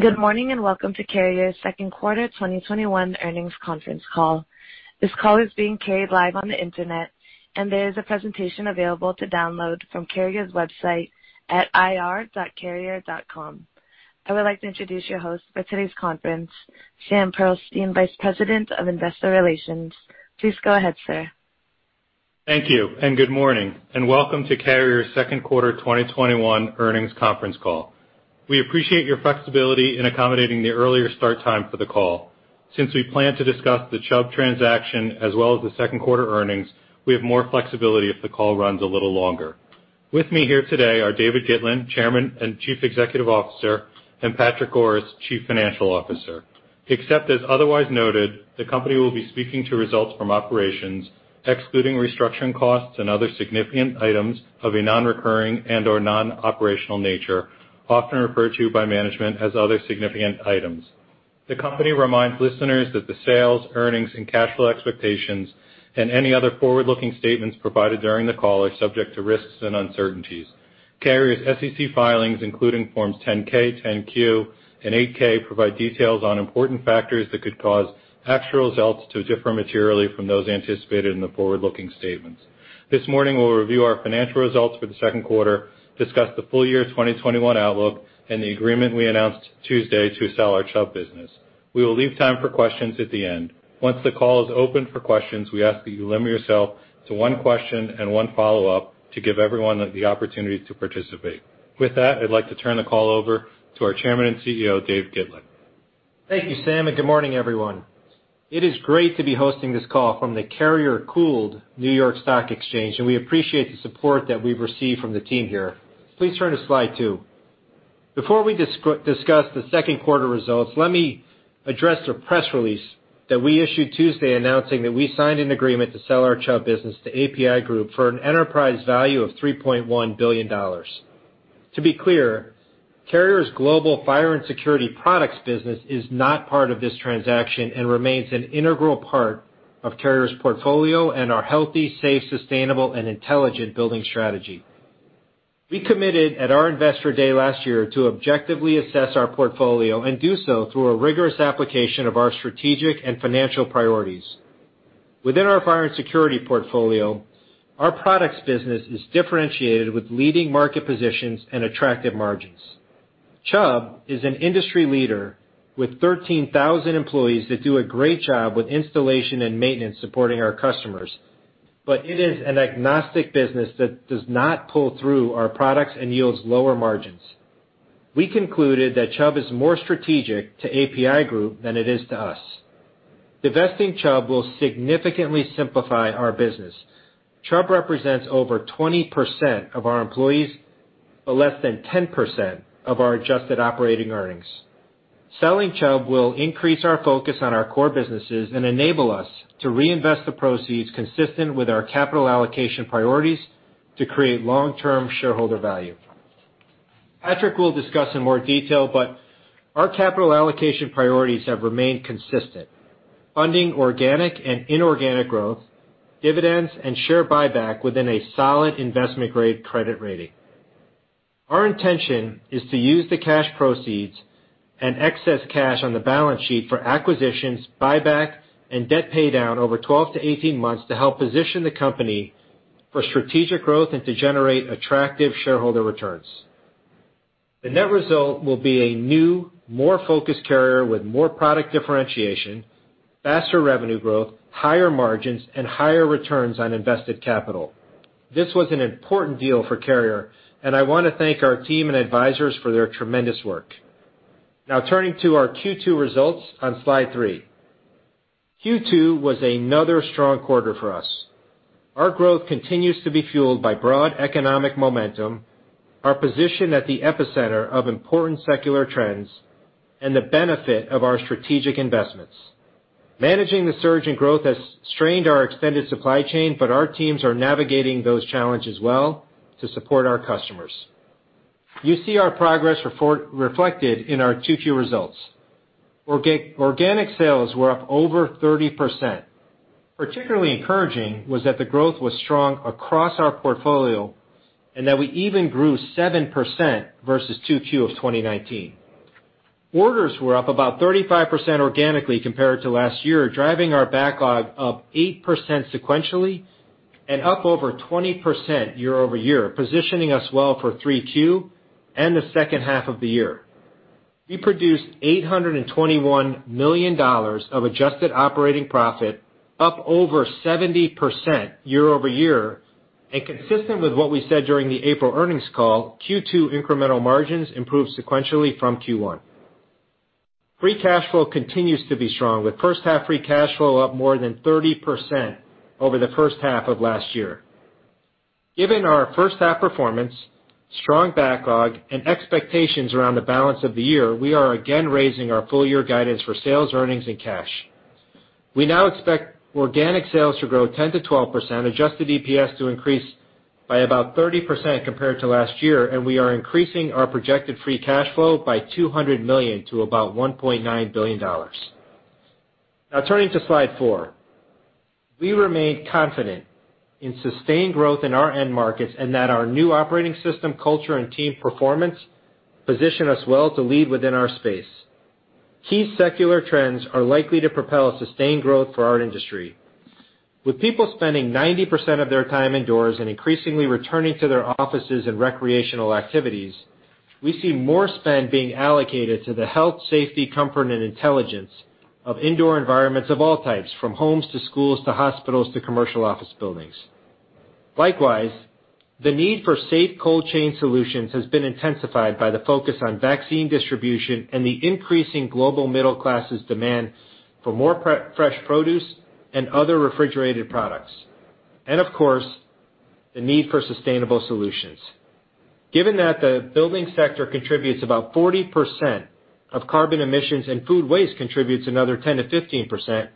Good morning, and welcome to Carrier's Second Quarter 2021 Earnings Conference Call. This call is being carried live on the internet, and there's a presentation available to download from Carrier's website at ir.carrier.com. I would like to introduce your host for today's conference, Sam Pearlstein, Vice President of Investor Relations. Please go ahead, sir. Thank you, good morning, and welcome to Carrier's Second Quarter 2021 Earnings Conference Call. We appreciate your flexibility in accommodating the earlier start time for the call. Since we plan to discuss the Chubb transaction as well as the second quarter earnings, we have more flexibility if the call runs a little longer. With me here today are David Gitlin, Chairman and Chief Executive Officer, and Patrick Goris, Chief Financial Officer. Except as otherwise noted, the company will be speaking to results from operations excluding restructuring costs and other significant items of a non-recurring and/or non-operational nature, often referred to by management as other significant items. The company reminds listeners that the sales, earnings, and cash flow expectations, and any other forward-looking statements provided during the call are subject to risks and uncertainties. Carrier's SEC filings including forms 10-K, 10-Q, and 8-K provide details on important factors that could cause actual results to differ materially from those anticipated in the forward-looking statements. This morning, we'll review our financial results for the second quarter, discuss the full year 2021 outlook, and the agreement we announced Tuesday to sell our Chubb business. We will leave time for questions at the end. Once the call is open for questions, we ask that you limit yourself to one question and one follow-up to give everyone the opportunity to participate. With that, I'd like to turn the call over to our Chairman and CEO, Dave Gitlin. Thank you, Sam. Good morning, everyone. It is great to be hosting this call from the Carrier-cooled New York Stock Exchange, and we appreciate the support that we've received from the team here. Please turn to slide two. Before we discuss the second quarter results, let me address the press release that we issued Tuesday announcing that we signed an agreement to sell our Chubb business to APi Group for an enterprise value of $3.1 billion. To be clear, Carrier's Global Fire and Security Products business is not part of this transaction and remains an integral part of Carrier's portfolio and our healthy, safe, sustainable, and intelligent building strategy. We committed at our investor day last year to objectively assess our portfolio and do so through a rigorous application of our strategic and financial priorities. Within our fire and security portfolio, our products business is differentiated with leading market positions and attractive margins. Chubb is an industry leader with 13,000 employees that do a great job with installation and maintenance supporting our customers, but it is an agnostic business that does not pull through our products and yields lower margins. We concluded that Chubb is more strategic to APi Group than it is to us. Divesting Chubb will significantly simplify our business. Chubb represents over 20% of our employees but less than 10% of our adjusted operating earnings. Selling Chubb will increase our focus on our core businesses and enable us to reinvest the proceeds consistent with our capital allocation priorities to create long-term shareholder value. Patrick will discuss in more detail, our capital allocation priorities have remained consistent. Funding organic and inorganic growth, dividends, and share buyback within a solid investment-grade credit rating. Our intention is to use the cash proceeds and excess cash on the balance sheet for acquisitions, buyback, and debt paydown over 12 months-18 months to help position the company for strategic growth and to generate attractive shareholder returns. The net result will be a new, more focused Carrier with more product differentiation, faster revenue growth, higher margins, and higher returns on invested capital. This was an important deal for Carrier, and I want to thank our team and advisors for their tremendous work. Now turning to our Q2 results on slide three. Q2 was another strong quarter for us. Our growth continues to be fueled by broad economic momentum, our position at the epicenter of important secular trends, and the benefit of our strategic investments. Managing the surge in growth has strained our extended supply chain, but our teams are navigating those challenges well to support our customers. You see our progress reflected in our 2Q results. Organic sales were up over 30%. Particularly encouraging was that the growth was strong across our portfolio and that we even grew 7% versus 2Q of 2019. Orders were up about 35% organically compared to last year, driving our backlog up 8% sequentially and up over 20% year-over-year, positioning us well for 3Q and the second half of the year. We produced $821 million of adjusted operating profit, up over 70% year-over-year, and consistent with what we said during the April earnings call, Q2 incremental margins improved sequentially from Q1. Free cash flow continues to be strong, with first half free cash flow up more than 30% over the first half of last year. Given our first half performance, strong backlog, and expectations around the balance of the year, we are again raising our full year guidance for sales, earnings, and cash. We now expect organic sales to grow 10%-12%, adjusted EPS to increase by about 30% compared to last year, and we are increasing our projected free cash flow by $200 million to about $1.9 billion. Now turning to slide four. We remain confident in sustained growth in our end markets, and that our new operating system, culture, and team performance position us well to lead within our space. Key secular trends are likely to propel sustained growth for our industry. With people spending 90% of their time indoors and increasingly returning to their offices and recreational activities, we see more spend being allocated to the health, safety, comfort, and intelligence of indoor environments of all types, from homes to schools, to hospitals to commercial office buildings. Likewise, the need for safe cold chain solutions has been intensified by the focus on vaccine distribution and the increasing global middle classes' demand for more fresh produce and other refrigerated products. Of course, the need for sustainable solutions. Given that the building sector contributes about 40% of carbon emissions and food waste contributes another 10%-15%,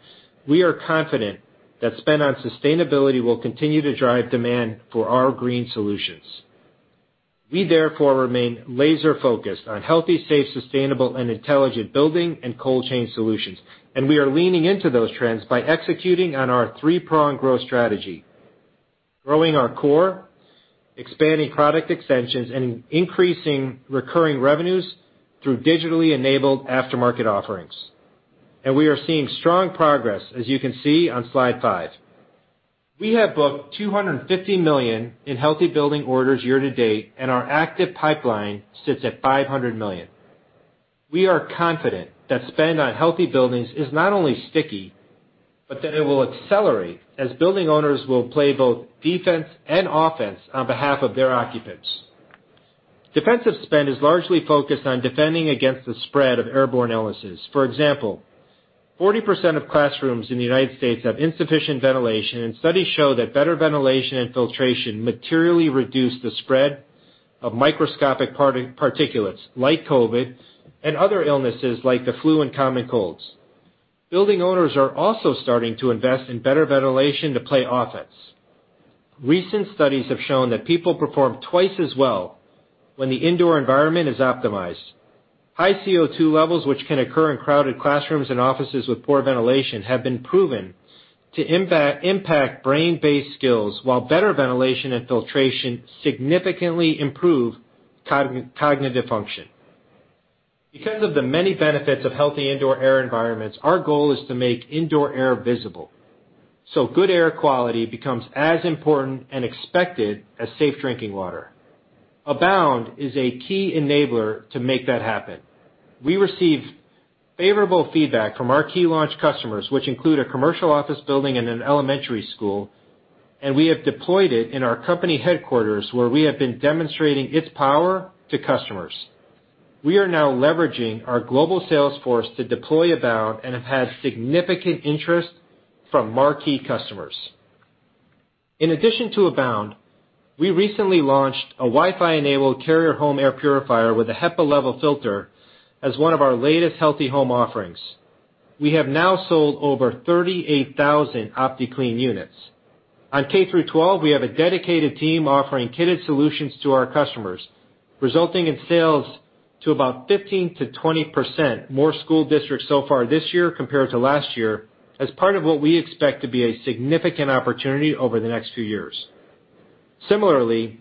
we are confident that spend on sustainability will continue to drive demand for our green solutions. We therefore remain laser-focused on healthy, safe, sustainable and intelligent building and cold chain solutions. We are leaning into those trends by executing on our three-pronged growth strategy: growing our core, expanding product extensions, and increasing recurring revenues through digitally enabled aftermarket offerings. We are seeing strong progress, as you can see on slide five. We have booked $250 million in healthy building orders year to date, and our active pipeline sits at $500 million. We are confident that spend on healthy buildings is not only sticky, but that it will accelerate as building owners will play both defense and offense on behalf of their occupants. Defensive spend is largely focused on defending against the spread of airborne illnesses. For example, 40% of classrooms in the United States have insufficient ventilation, and studies show that better ventilation and filtration materially reduce the spread of microscopic particulates like COVID and other illnesses like the flu and common colds. Building owners are also starting to invest in better ventilation to play offense. Recent studies have shown that people perform twice as well when the indoor environment is optimized. High CO2 levels, which can occur in crowded classrooms and offices with poor ventilation, have been proven to impact brain-based skills, while better ventilation and filtration significantly improve cognitive function. Because of the many benefits of healthy indoor air environments, our goal is to make indoor air visible, so good air quality becomes as important and expected as safe drinking water. Abound is a key enabler to make that happen. We received favorable feedback from our key launch customers, which include a commercial office building and an elementary school, and we have deployed it in our company headquarters, where we have been demonstrating its power to customers. We are now leveraging our global sales force to deploy Abound and have had significant interest from marquee customers. In addition to Abound, we recently launched a Wi-Fi-enabled Carrier Smart Air Purifier with a HEPA-level filter as one of our latest healthy home offerings. We have now sold over 38,000 OptiClean units. On K through 12, we have a dedicated team offering kitted solutions to our customers, resulting in sales to about 15%-20% more school districts so far this year compared to last year, as part of what we expect to be a significant opportunity over the next few years. Similarly,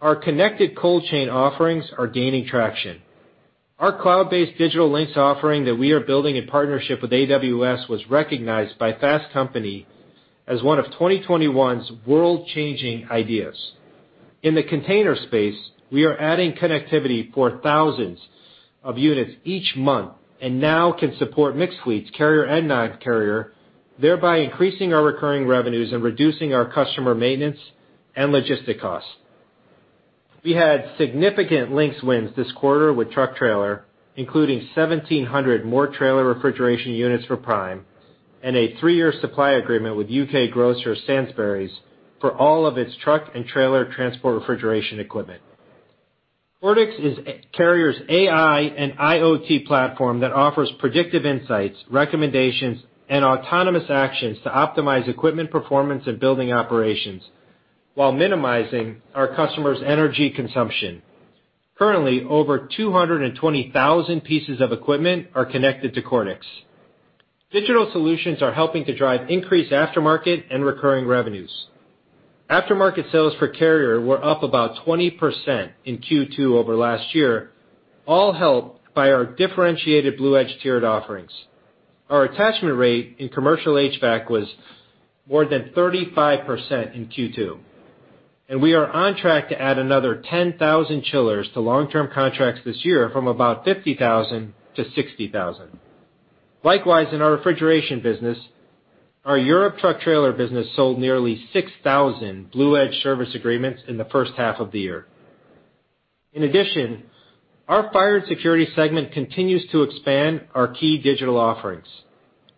our connected cold chain offerings are gaining traction. Our cloud-based digital Lynx offering that we are building in partnership with AWS was recognized by Fast Company as one of 2021's World-Changing Ideas. In the container space, we are adding connectivity for thousands of units each month and now can support mixed fleets, Carrier and non-Carrier, thereby increasing our recurring revenues and reducing our customer maintenance and logistic costs. We had significant digital Lynx wins this quarter with truck trailer, including 1,700 more trailer refrigeration units for Prime and a three-year supply agreement with U.K. grocer Sainsbury's for all of its truck and trailer transport refrigeration equipment. CORTIX is Carrier's AI and IoT platform that offers predictive insights, recommendations, and autonomous actions to optimize equipment performance and building operations while minimizing our customers' energy consumption. Currently, over 220,000 pieces of equipment are connected to CORTIX. Digital solutions are helping to drive increased aftermarket and recurring revenues. Aftermarket sales for Carrier were up about 20% in Q2 over last year, all helped by our differentiated BluEdge tiered offerings. Our attachment rate in commercial HVAC was more than 35% in Q2. We are on track to add another 10,000 chillers to long-term contracts this year from about 50,000 to 60,000. Likewise, in our refrigeration business, our Europe truck trailer business sold nearly 6,000 BluEdge service agreements in the first half of the year. In addition, our fire and security segment continues to expand our key digital offerings.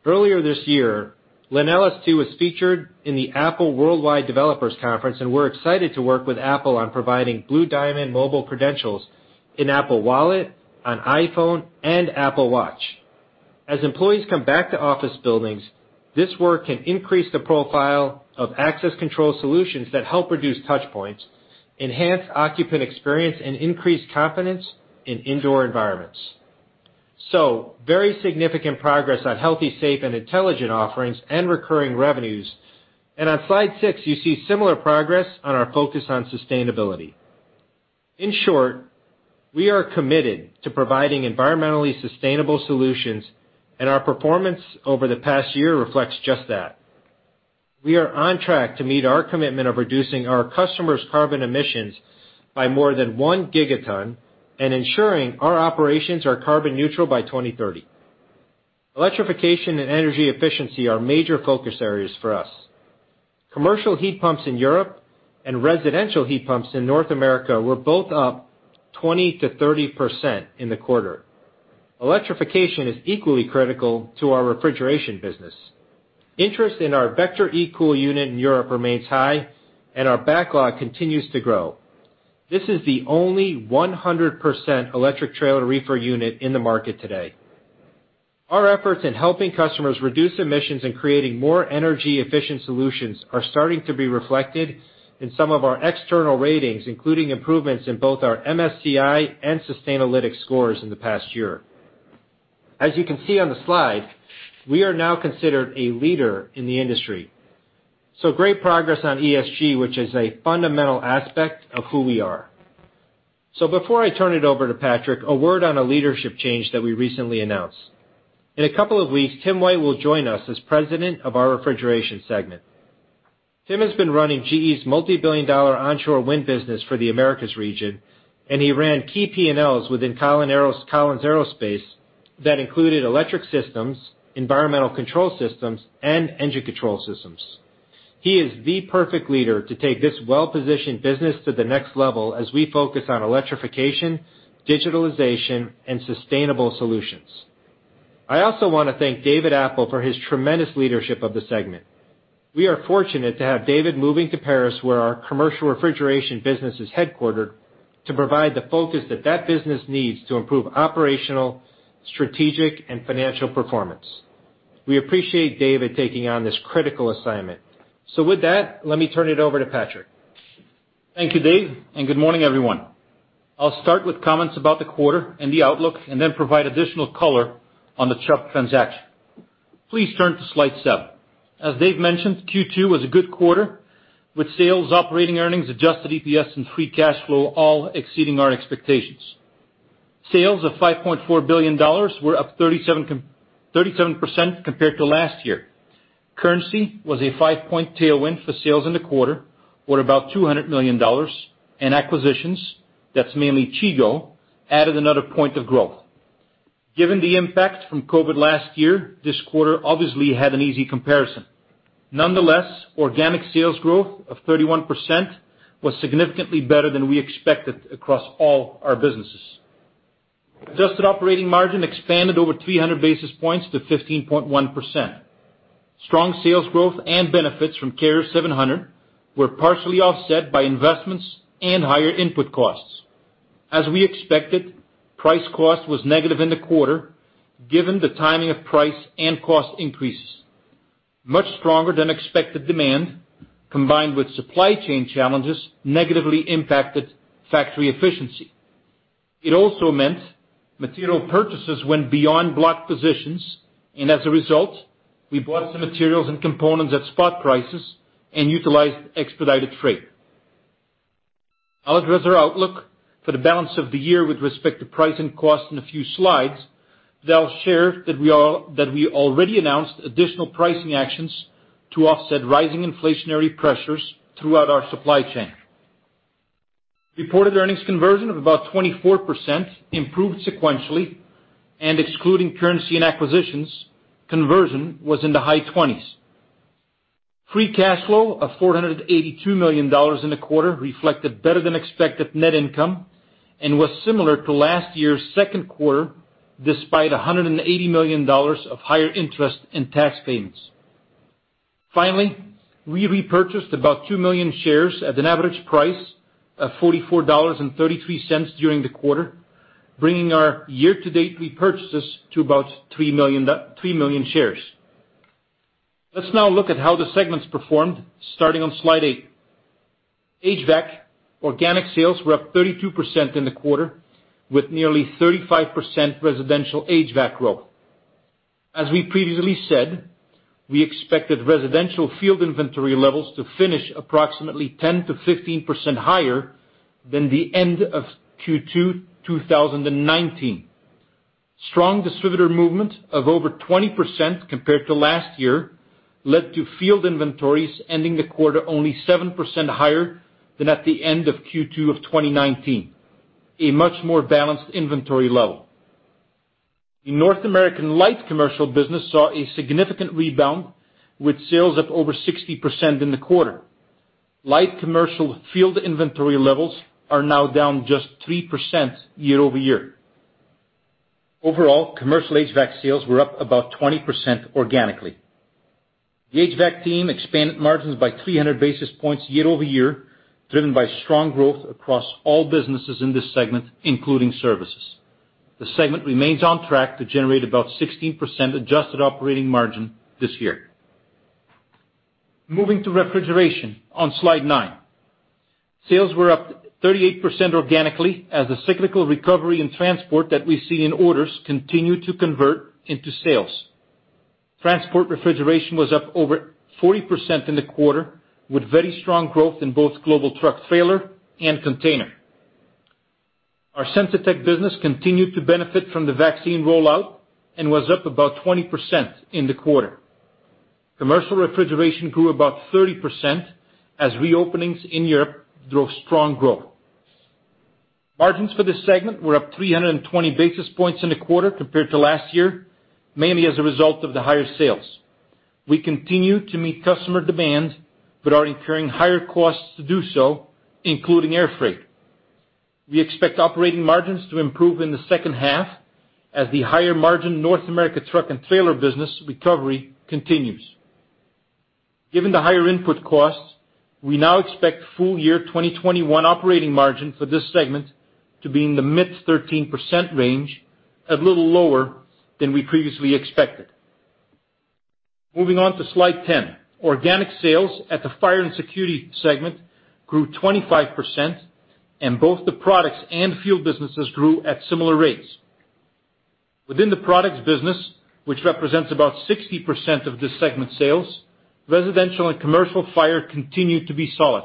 Earlier this year, LenelS2 was featured in the Apple Worldwide Developers Conference. We're excited to work with Apple on providing BlueDiamond mobile credentials in Apple Wallet, on iPhone, and Apple Watch. As employees come back to office buildings. This work can increase the profile of access control solutions that help reduce touch points, enhance occupant experience, and increase confidence in indoor environments. Very significant progress on healthy, safe, and intelligent offerings and recurring revenues. On slide six, you see similar progress on our focus on sustainability. In short, we are committed to providing environmentally sustainable solutions, and our performance over the past year reflects just that. We are on track to meet our commitment of reducing our customers' carbon emissions by more than 1 gigaton and ensuring our operations are carbon neutral by 2030. Electrification and energy efficiency are major focus areas for us. Commercial heat pumps in Europe and residential heat pumps in North America were both up 20%-30% in the quarter. Electrification is equally critical to our refrigeration business. Interest in our Vector eCool unit in Europe remains high, and our backlog continues to grow. This is the only 100% electric trailer reefer unit in the market today. Our efforts in helping customers reduce emissions and creating more energy efficient solutions are starting to be reflected in some of our external ratings, including improvements in both our MSCI and Sustainalytics scores in the past year. As you can see on the slide, we are now considered a leader in the industry. Great progress on ESG, which is a fundamental aspect of who we are. Before I turn it over to Patrick, a word on a leadership change that we recently announced. In a couple of weeks, Tim White will join us as President of our Refrigeration segment. Tim has been running GE's multi-billion-dollar onshore wind business for the Americas region, and he ran key P&Ls within Collins Aerospace that included electric systems, environmental control systems, and engine control systems. He is the perfect leader to take this well-positioned business to the next level as we focus on electrification, digitalization, and sustainable solutions. I also want to thank David Appel for his tremendous leadership of the segment. We are fortunate to have David moving to Paris, where our commercial refrigeration business is headquartered, to provide the focus that business needs to improve operational, strategic, and financial performance. We appreciate David taking on this critical assignment. With that, let me turn it over to Patrick. Thank you, Dave, and good morning, everyone. I'll start with comments about the quarter and the outlook and then provide additional color on the Chubb transaction. Please turn to slide seven. As Dave mentioned, Q2 was a good quarter, with sales, operating earnings, adjusted EPS, and free cash flow all exceeding our expectations. Sales of $5.4 billion were up 37% compared to last year. Currency was a five-point tailwind for sales in the quarter, or about $200 million. Acquisitions, that's mainly Chigo, added another point of growth. Given the impact from COVID last year, this quarter obviously had an easy comparison. Nonetheless, organic sales growth of 31% was significantly better than we expected across all our businesses. Adjusted operating margin expanded over 300 basis points to 15.1%. Strong sales growth and benefits from Carrier 700 were partially offset by investments and higher input costs. As we expected, price cost was negative in the quarter, given the timing of price and cost increases. Much stronger than expected demand, combined with supply chain challenges, negatively impacted factory efficiency. It also meant material purchases went beyond block positions, and as a result, we bought some materials and components at spot prices and utilized expedited freight. I'll address our outlook for the balance of the year with respect to price and cost in a few slides, though I'll share that we already announced additional pricing actions to offset rising inflationary pressures throughout our supply chain. Reported earnings conversion of about 24% improved sequentially, and excluding currency and acquisitions, conversion was in the high twenties. Free cash flow of $482 million in the quarter reflected better than expected net income and was similar to last year's second quarter, despite $180 million of higher interest and tax payments. Finally, we repurchased about 2 million shares at an average price of $44.33 during the quarter, bringing our year-to-date repurchases to about 3 million shares. Let's now look at how the segments performed, starting on slide eight. HVAC organic sales were up 32% in the quarter, with nearly 35% residential HVAC growth. As we previously said, we expected residential field inventory levels to finish approximately 10%-15% higher than the end of Q2 2019. Strong distributor movement of over 20% compared to last year led to field inventories ending the quarter only 7% higher than at the end of Q2 2019, a much more balanced inventory level. The North American light commercial business saw a significant rebound with sales up over 60% in the quarter. Light commercial field inventory levels are now down just 3% year-over-year. Overall, commercial HVAC sales were up about 20% organically. The HVAC team expanded margins by 300 basis points year-over-year, driven by strong growth across all businesses in this segment, including services. The segment remains on track to generate about 16% adjusted operating margin this year. Moving to refrigeration on slide nine. Sales were up 38% organically as the cyclical recovery in transport that we see in orders continued to convert into sales. Transport refrigeration was up over 40% in the quarter, with very strong growth in both global truck trailer and container. Our Sensitech business continued to benefit from the vaccine rollout and was up about 20% in the quarter. Commercial refrigeration grew about 30% as reopenings in Europe drove strong growth. Margins for this segment were up 320 basis points in the quarter compared to last year, mainly as a result of the higher sales. We continue to meet customer demand but are incurring higher costs to do so, including air freight. We expect operating margins to improve in the second half as the higher margin North America truck and trailer business recovery continues. Given the higher input costs, we now expect full year 2021 operating margin for this segment to be in the mid 13% range, a little lower than we previously expected. Moving on to slide 10. Organic sales at the Fire and Security segment grew 25%, and both the products and field businesses grew at similar rates. Within the products business, which represents about 60% of this segment sales, residential and commercial fire continued to be solid.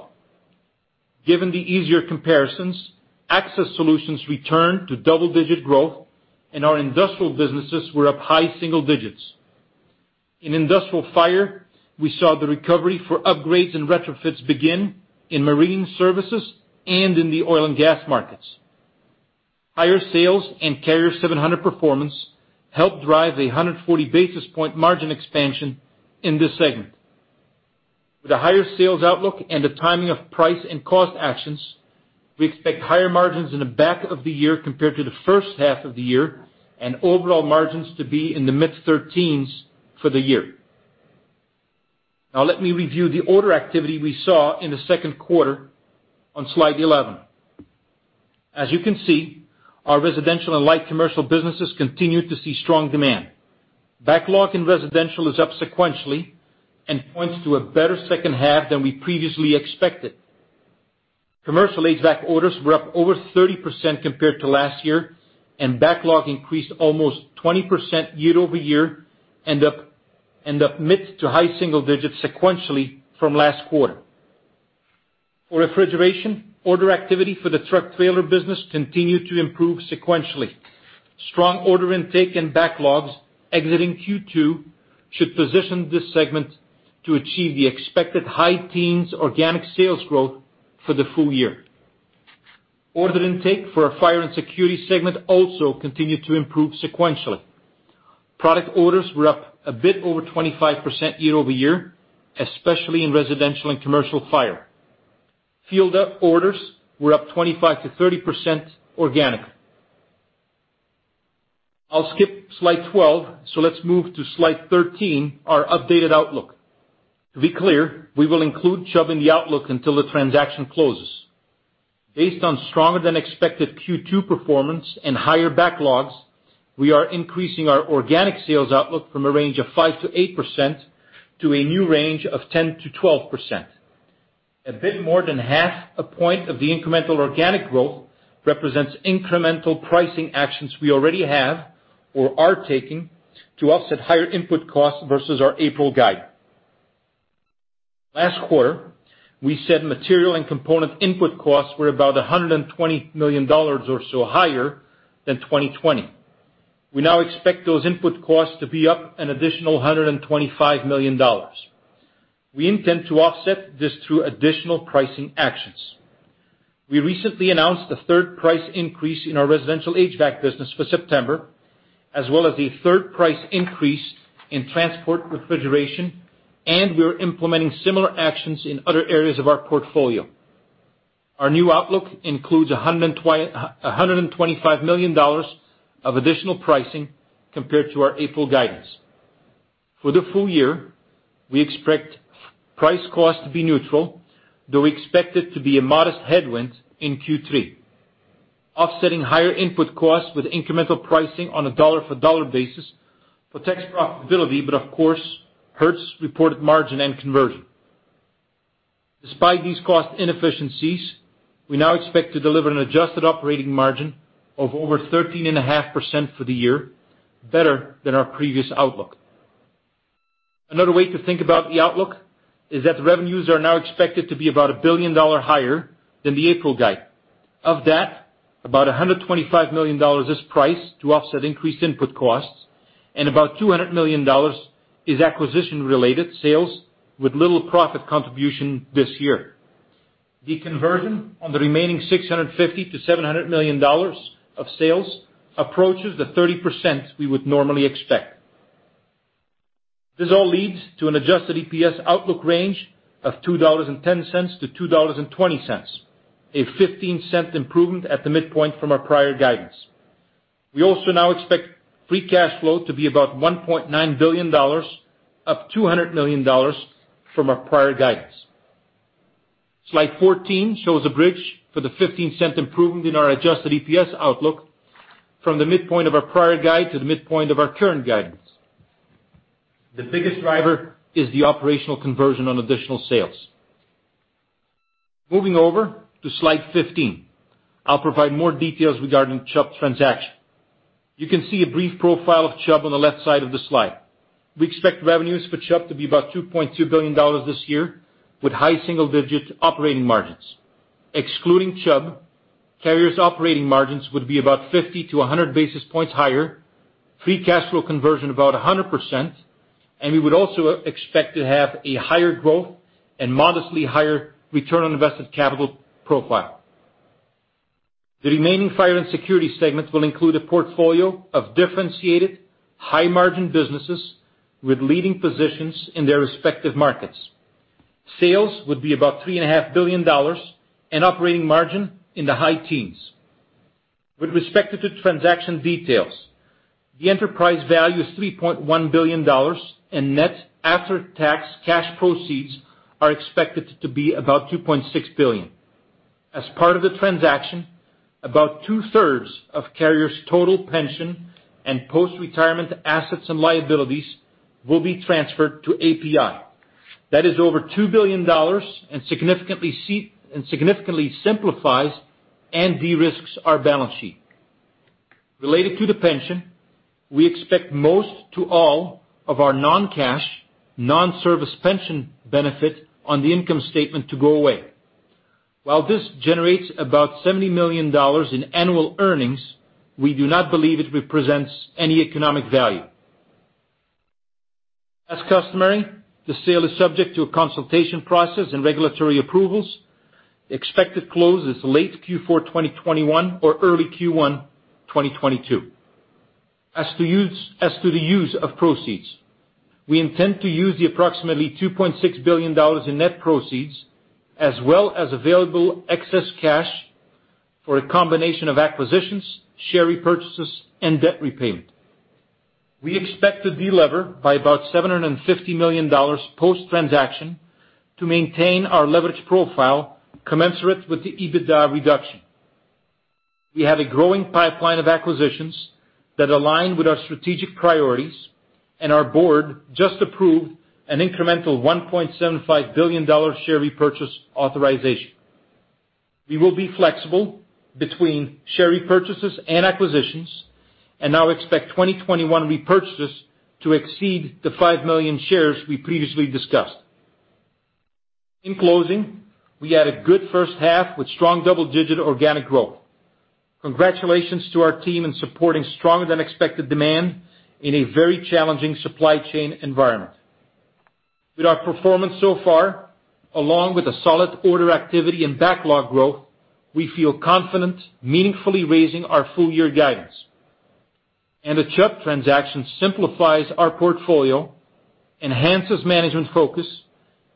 Given the easier comparisons, access solutions returned to double-digit growth, and our industrial businesses were up high single digits. In industrial fire, we saw the recovery for upgrades and retrofits begin in marine services and in the oil and gas markets. Higher sales and Carrier 700 performance helped drive the 140 basis point margin expansion in this segment. With a higher sales outlook and the timing of price and cost actions, we expect higher margins in the back of the year compared to the first half of the year and overall margins to be in the mid-thirteens for the year. Let me review the order activity we saw in the second quarter on slide 11. As you can see, our residential and light commercial businesses continued to see strong demand. Backlog in residential is up sequentially and points to a better second half than we previously expected. Commercial HVAC orders were up over 30% compared to last year, and backlog increased almost 20% year-over-year and up mid to high single digits sequentially from last quarter. For refrigeration, order activity for the truck trailer business continued to improve sequentially. Strong order intake and backlogs exiting Q2 should position this segment to achieve the expected high teens organic sales growth for the full year. Order intake for our fire and security segment also continued to improve sequentially. Product orders were up a bit over 25% year-over-year, especially in residential and commercial fire. Field orders were up 25%-30% organically. I'll skip slide 12, so let's move to slide 13, our updated outlook. To be clear, we will include Chubb in the outlook until the transaction closes. Based on stronger than expected Q2 performance and higher backlogs, we are increasing our organic sales outlook from a range of 5%-8% to a new range of 10%-12%. A bit more than half a point of the incremental organic growth represents incremental pricing actions we already have or are taking to offset higher input costs versus our April guide. Last quarter, we said material and component input costs were about $120 million or so higher than 2020. We now expect those input costs to be up an additional $125 million. We intend to offset this through additional pricing actions. We recently announced a third price increase in our residential HVAC business for September, as well as a third price increase in transport refrigeration, and we are implementing similar actions in other areas of our portfolio. Our new outlook includes $125 million of additional pricing compared to our April guidance. For the full year, we expect price cost to be neutral, though we expect it to be a modest headwind in Q3. Offsetting higher input costs with incremental pricing on a dollar-for-dollar basis protects profitability, but of course, hurts reported margin and conversion. Despite these cost inefficiencies, we now expect to deliver an adjusted operating margin of over 13.5% for the year, better than our previous outlook. Another way to think about the outlook is that the revenues are now expected to be about $1 billion higher than the April guide. Of that, about $125 million is price to offset increased input costs, and about $200 million is acquisition-related sales with little profit contribution this year. The conversion on the remaining $650 million-$700 million of sales approaches the 30% we would normally expect. This all leads to an adjusted EPS outlook range of $2.10-$2.20, a $0.15 improvement at the midpoint from our prior guidance. We also now expect free cash flow to be about $1.9 billion, up $200 million from our prior guidance. Slide 14 shows a bridge for the $0.15 improvement in our adjusted EPS outlook from the midpoint of our prior guide to the midpoint of our current guidance. The biggest driver is the operational conversion on additional sales. Moving over to Slide 15. I'll provide more details regarding Chubb transaction. You can see a brief profile of Chubb on the left side of the slide. We expect revenues for Chubb to be about $2.2 billion this year with high single-digit operating margins. Excluding Chubb, Carrier's operating margins would be about 50-100 basis points higher, free cash flow conversion about 100%, and we would also expect to have a higher growth and modestly higher ROIC profile. The remaining fire and security segment will include a portfolio of differentiated, high-margin businesses with leading positions in their respective markets. Sales would be about $3.5 billion, and operating margin in the high teens. With respect to the transaction details, the enterprise value is $3.1 billion and net after-tax cash proceeds are expected to be about $2.6 billion. As part of the transaction, about two-thirds of Carrier's total pension and post-retirement assets and liabilities will be transferred to APi. That is over $2 billion and significantly simplifies and de-risks our balance sheet. Related to the pension, we expect most to all of our non-cash, non-service pension benefit on the income statement to go away. While this generates about $70 million in annual earnings, we do not believe it represents any economic value. As customary, the sale is subject to a consultation process and regulatory approvals. Expected close is late Q4 2021 or early Q1 2022. As to the use of proceeds, we intend to use the approximately $2.6 billion in net proceeds, as well as available excess cash, for a combination of acquisitions, share repurchases, and debt repayment. We expect to de-lever by about $750 million post-transaction to maintain our leverage profile commensurate with the EBITDA reduction. We have a growing pipeline of acquisitions that align with our strategic priorities, and our board just approved an incremental $1.75 billion share repurchase authorization. We will be flexible between share repurchases and acquisitions and now expect 2021 repurchases to exceed the 5 million shares we previously discussed. In closing, we had a good first half with strong double-digit organic growth. Congratulations to our team in supporting stronger than expected demand in a very challenging supply chain environment. With our performance so far, along with the solid order activity and backlog growth, we feel confident meaningfully raising our full year guidance. The Chubb transaction simplifies our portfolio, enhances management focus,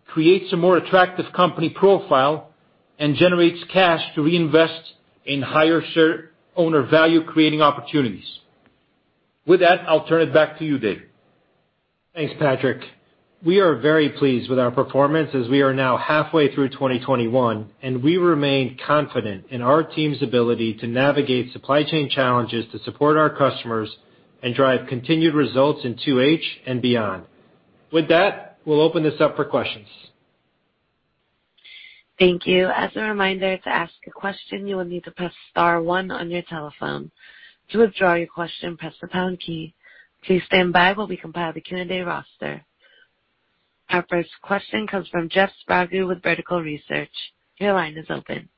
creates a more attractive company profile, and generates cash to reinvest in higher share owner value creating opportunities. With that, I'll turn it back to you, Dave. Thanks, Patrick. We are very pleased with our performance as we are now halfway through 2021, and we remain confident in our team's ability to navigate supply chain challenges to support our customers and drive continued results in 2H and beyond. With that, we will open this up for questions. Thank you. As a reminder, to ask a question, you will need to press star one on your telephone. To withdraw your question, press the pound key. Our first question comes from Jeff Sprague with Vertical Research. Your line is open.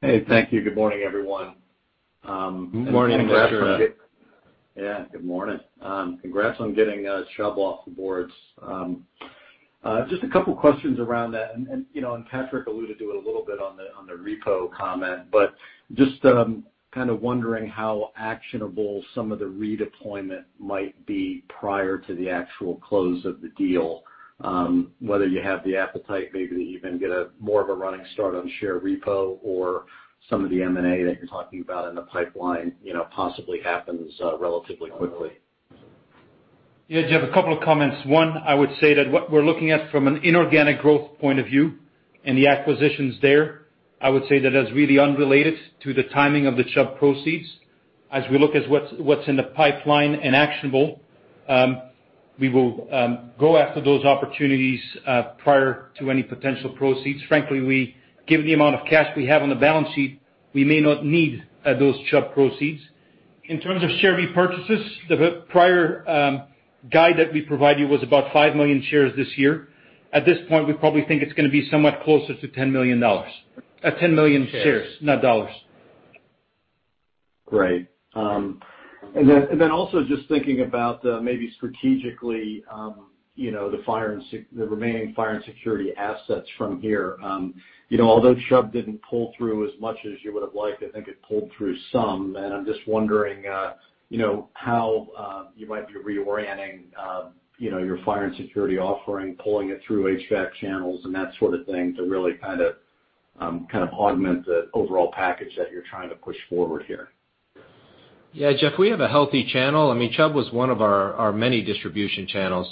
Hey, thank you. Good morning, everyone. Good morning. Good morning Jeff. Yeah. Good morning. Congrats on getting Chubb off the boards. Just a couple questions around that, and Patrick alluded to it a little bit on the repo comment, but just kind of wondering how actionable some of the redeployment might be prior to the actual close of the deal. Whether you have the appetite maybe to even get more of a running start on share repo or some of the M&A that you're talking about in the pipeline possibly happens relatively quickly? Yeah, Jeff, a couple of comments. One, I would say that what we're looking at from an inorganic growth point of view and the acquisitions there, I would say that that's really unrelated to the timing of the Chubb proceeds. As we look at what's in the pipeline and actionable, we will go after those opportunities prior to any potential proceeds. Frankly, given the amount of cash we have on the balance sheet, we may not need those Chubb proceeds. In terms of share repurchases, the prior guide that we provided you was about $5 million shares this year. At this point, we probably think it's going to be somewhat closer to $10 million shares. Great. Also just thinking about maybe strategically the remaining fire and security assets from here. Although Chubb didn't pull through as much as you would've liked, I think it pulled through some, and I'm just wondering how you might be reorienting your fire and security offering, pulling it through HVAC channels and that sort of thing to really augment the overall package that you're trying to push forward here. Yeah, Jeff, we have a healthy channel. Chubb was one of our many distribution channels.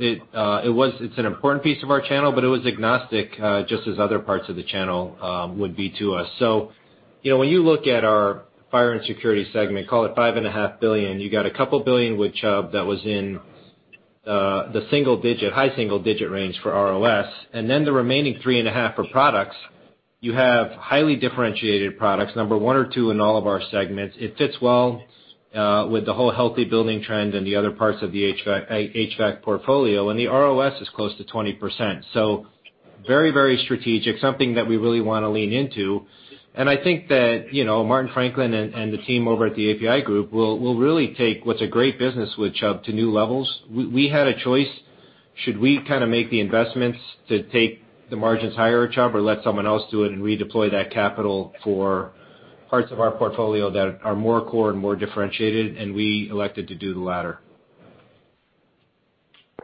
It's an important piece of our channel, but it was agnostic, just as other parts of the channel would be to us. When you look at our fire and security segment, call it $5.5 billion, you got a couple of $billion with Chubb that was in the high single-digit range for ROS, and then the remaining $3.5 billion for products. You have highly differentiated products, number one or two in all of our segments. It fits well with the whole healthy building trend and the other parts of the HVAC portfolio. The ROS is close to 20%. Very strategic, something that we really want to lean into. I think that Martin Franklin and the team over at the APi Group will really take what's a great business with Chubb to new levels. We had a choice. Should we make the investments to take the margins higher at Chubb or let someone else do it and redeploy that capital for parts of our portfolio that are more core and more differentiated? We elected to do the latter.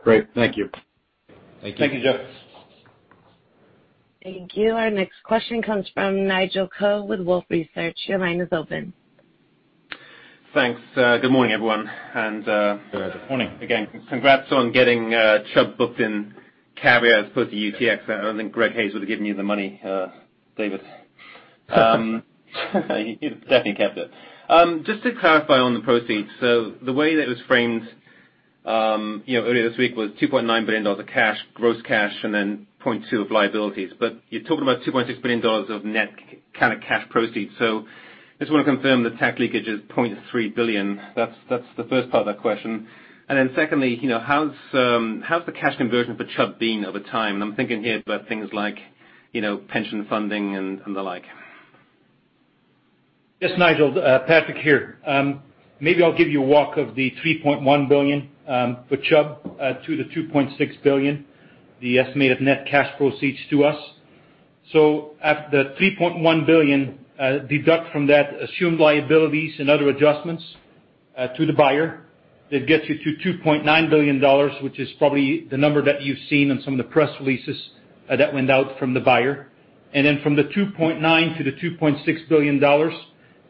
Great. Thank you. Thank you. Thank you, Jeff. Thank you. Our next question comes from Nigel Coe with Wolfe Research. Your line is open. Thanks. Good morning, everyone. Good morning. Again, congrats on getting Chubb booked in Carrier as opposed to UTX. I don't think Greg Hayes would have given you the money, David. He definitely kept it. Just to clarify on the proceeds, the way that it was framed earlier this week was $2.9 billion of cash, gross cash, and then $0.2 billion of liabilities. You're talking about $2.6 billion of net kind of cash proceeds. I just want to confirm the tax leakage is $0.3 billion. That's the first part of that question. Secondly, how's the cash conversion for Chubb been over time? I'm thinking here about things like pension funding and the like. Yes, Nigel, Patrick here. Maybe I'll give you a walk of the $3.1 billion for Chubb to the $2.6 billion, the estimated net cash proceeds to us. At the $3.1 billion, deduct from that assumed liabilities and other adjustments to the buyer. That gets you to $2.9 billion, which is probably the number that you've seen on some of the press releases that went out from the buyer. From the $2.9 billion-$2.6 billion,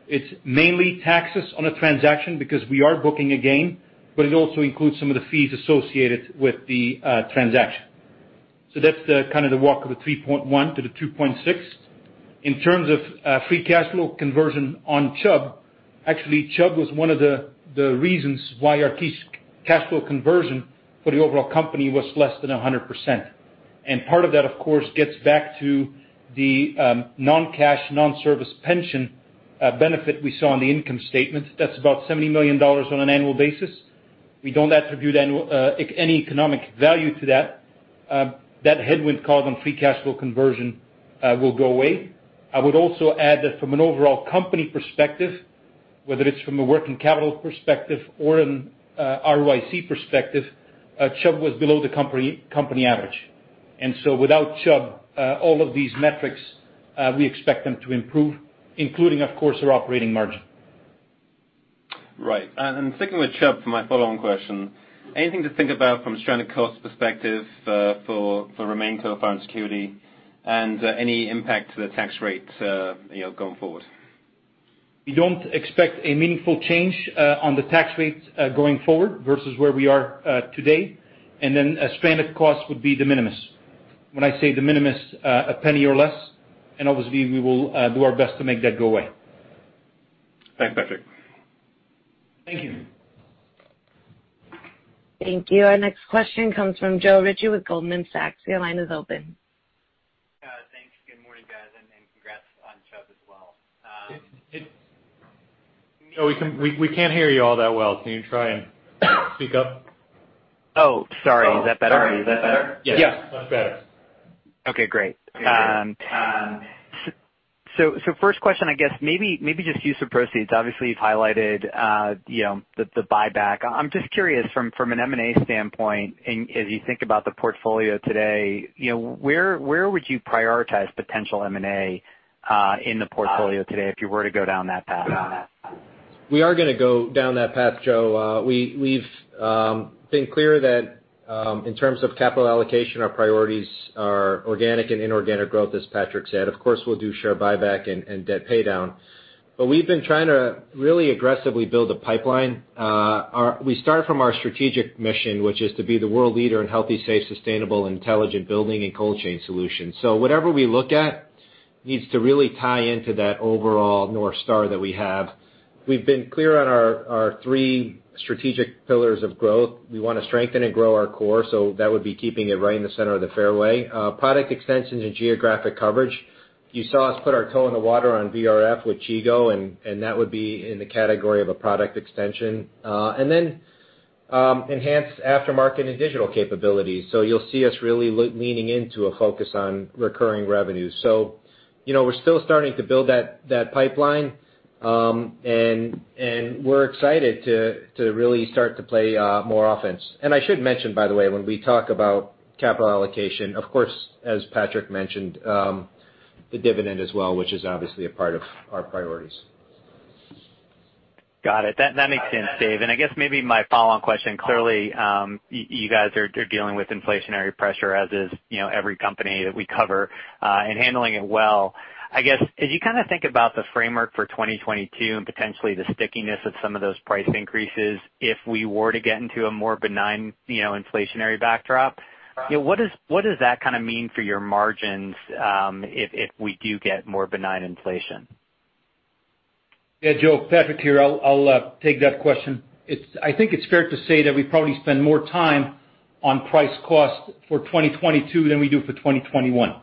it's mainly taxes on a transaction because we are booking a gain, but it also includes some of the fees associated with the transaction. That's the kind of the walk of the $3.1 billion-$2.6 billion. In terms of free cash flow conversion on Chubb, actually, Chubb was one of the reasons why our cash flow conversion for the overall company was less than 100%. Part of that, of course, gets back to the non-cash, non-service pension benefit we saw on the income statement. That's about $70 million on an annual basis. We don't attribute any economic value to that. That headwind called on free cash flow conversion will go away. I would also add that from an overall company perspective, whether it's from a working capital perspective or an ROIC perspective, Chubb was below the company average. Without Chubb, all of these metrics, we expect them to improve, including, of course, our operating margin. Right. Sticking with Chubb for my follow-on question, anything to think about from a stranded cost perspective for remaining core fire and security and any impact to the tax rate going forward? We don't expect a meaningful change on the tax rate going forward versus where we are today. Stranded costs would be de minimis. When I say de minimis, $0.01 or less, and obviously we will do our best to make that go away. Thanks, Patrick. Thank you. Thank you. Our next question comes from Joe Ritchie with Goldman Sachs. Your line is open. Thanks. Good morning, guys. Congrats on Chubb as well. Joe, we can't hear you all that well. Can you try and speak up? Oh, sorry. Is that better? Yeah, that's better. Okay, great. First question, I guess maybe just use of proceeds. Obviously, you've highlighted the buyback. I'm just curious, from an M&A standpoint, and as you think about the portfolio today, where would you prioritize potential M&A in the portfolio today if you were to go down that path? We are going to go down that path, Joe. We've been clear that in terms of capital allocation, our priorities are organic and inorganic growth, as Patrick said. Of course, we'll do share buyback and debt paydown. We've been trying to really aggressively build a pipeline. We start from our strategic mission, which is to be the world leader in healthy, safe, sustainable, intelligent building and cold chain solutions. Whatever we look at needs to really tie into that overall North Star that we have. We've been clear on our three strategic pillars of growth. We want to strengthen and grow our core, that would be keeping it right in the center of the fairway. Product extension and geographic coverage. You saw us put our toe in the water on VRF with Chigo, that would be in the category of a product extension. Then enhance aftermarket and digital capabilities. You'll see us really leaning into a focus on recurring revenue. We're still starting to build that pipeline. We're excited to really start to play more offense. I should mention, by the way, when we talk about capital allocation, of course, as Patrick mentioned, the dividend as well, which is obviously a part of our priorities. Got it. That makes sense, Dave. I guess maybe my follow-on question, clearly, you guys are dealing with inflationary pressure, as is every company that we cover, and handling it well. I guess, as you think about the framework for 2022 and potentially the stickiness of some of those price increases, if we were to get into a more benign inflationary backdrop, what does that mean for your margins if we do get more benign inflation? Yeah, Joe. Patrick here. I'll take that question. I think it's fair to say that we probably spend more time on price cost for 2022 than we do for 2021.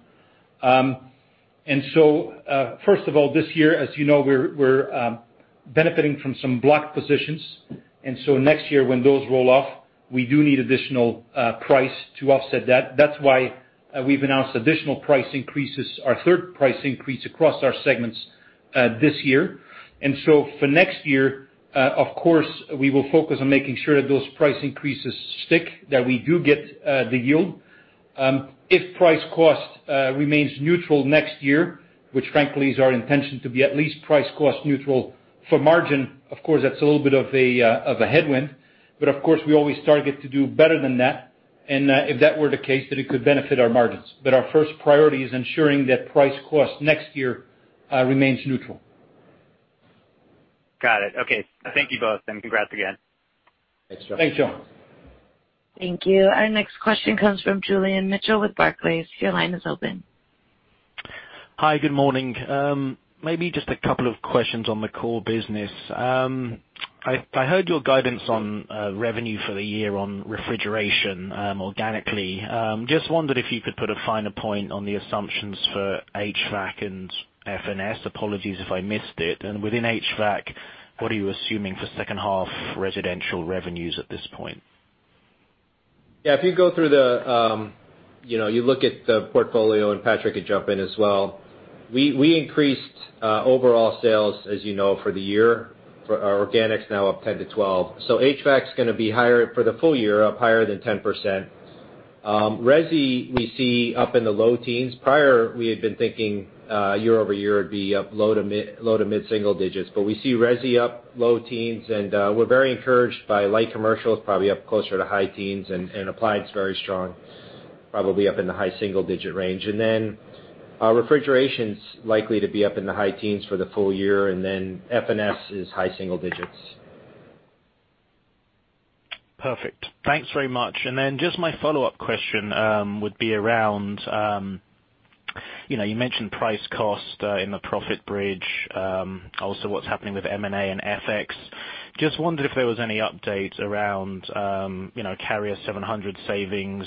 First of all, this year, as you know, we're benefiting from some block positions. Next year, when those roll off, we do need additional price to offset that. That's why we've announced additional price increases, our third price increase across our segments this year. For next year, of course, we will focus on making sure that those price increases stick, that we do get the yield. If price cost remains neutral next year, which frankly is our intention to be at least price cost neutral for margin, of course, that's a little bit of a headwind, but of course, we always target to do better than that. If that were the case, then it could benefit our margins. Our first priority is ensuring that price cost next year remains neutral. Got it. Okay. Thank you both, and congrats again. Thanks, Joe. Thank you. Our next question comes from Julian Mitchell with Barclays. Your line is open. Hi. Good morning. Maybe just a couple of questions on the core business. I heard your guidance on revenue for the year on Refrigeration organically. Just wondered if you could put a finer point on the assumptions for HVAC and F&S. Apologies if I missed it. Within HVAC, what are you assuming for second half residential revenues at this point? Yeah. If you go through, you look at the portfolio, Patrick can jump in as well. We increased overall sales, as you know, for the year, our organics now up 10%-12%. HVAC's going to be higher for the full year, up higher than 10%. Resi, we see up in the low teens. Prior, we had been thinking year-over-year would be up low to mid single digits. We see resi up low teens, and we're very encouraged by light commercial. It's probably up closer to high teens, and applied is very strong, probably up in the high single-digit range. Refrigeration's likely to be up in the high teens for the full year, and then F&S is high single digits. Perfect. Thanks very much. Then just my follow-up question would be around, you mentioned price cost in the profit bridge, also what's happening with M&A and FX. Just wondered if there was any update around Carrier 700 savings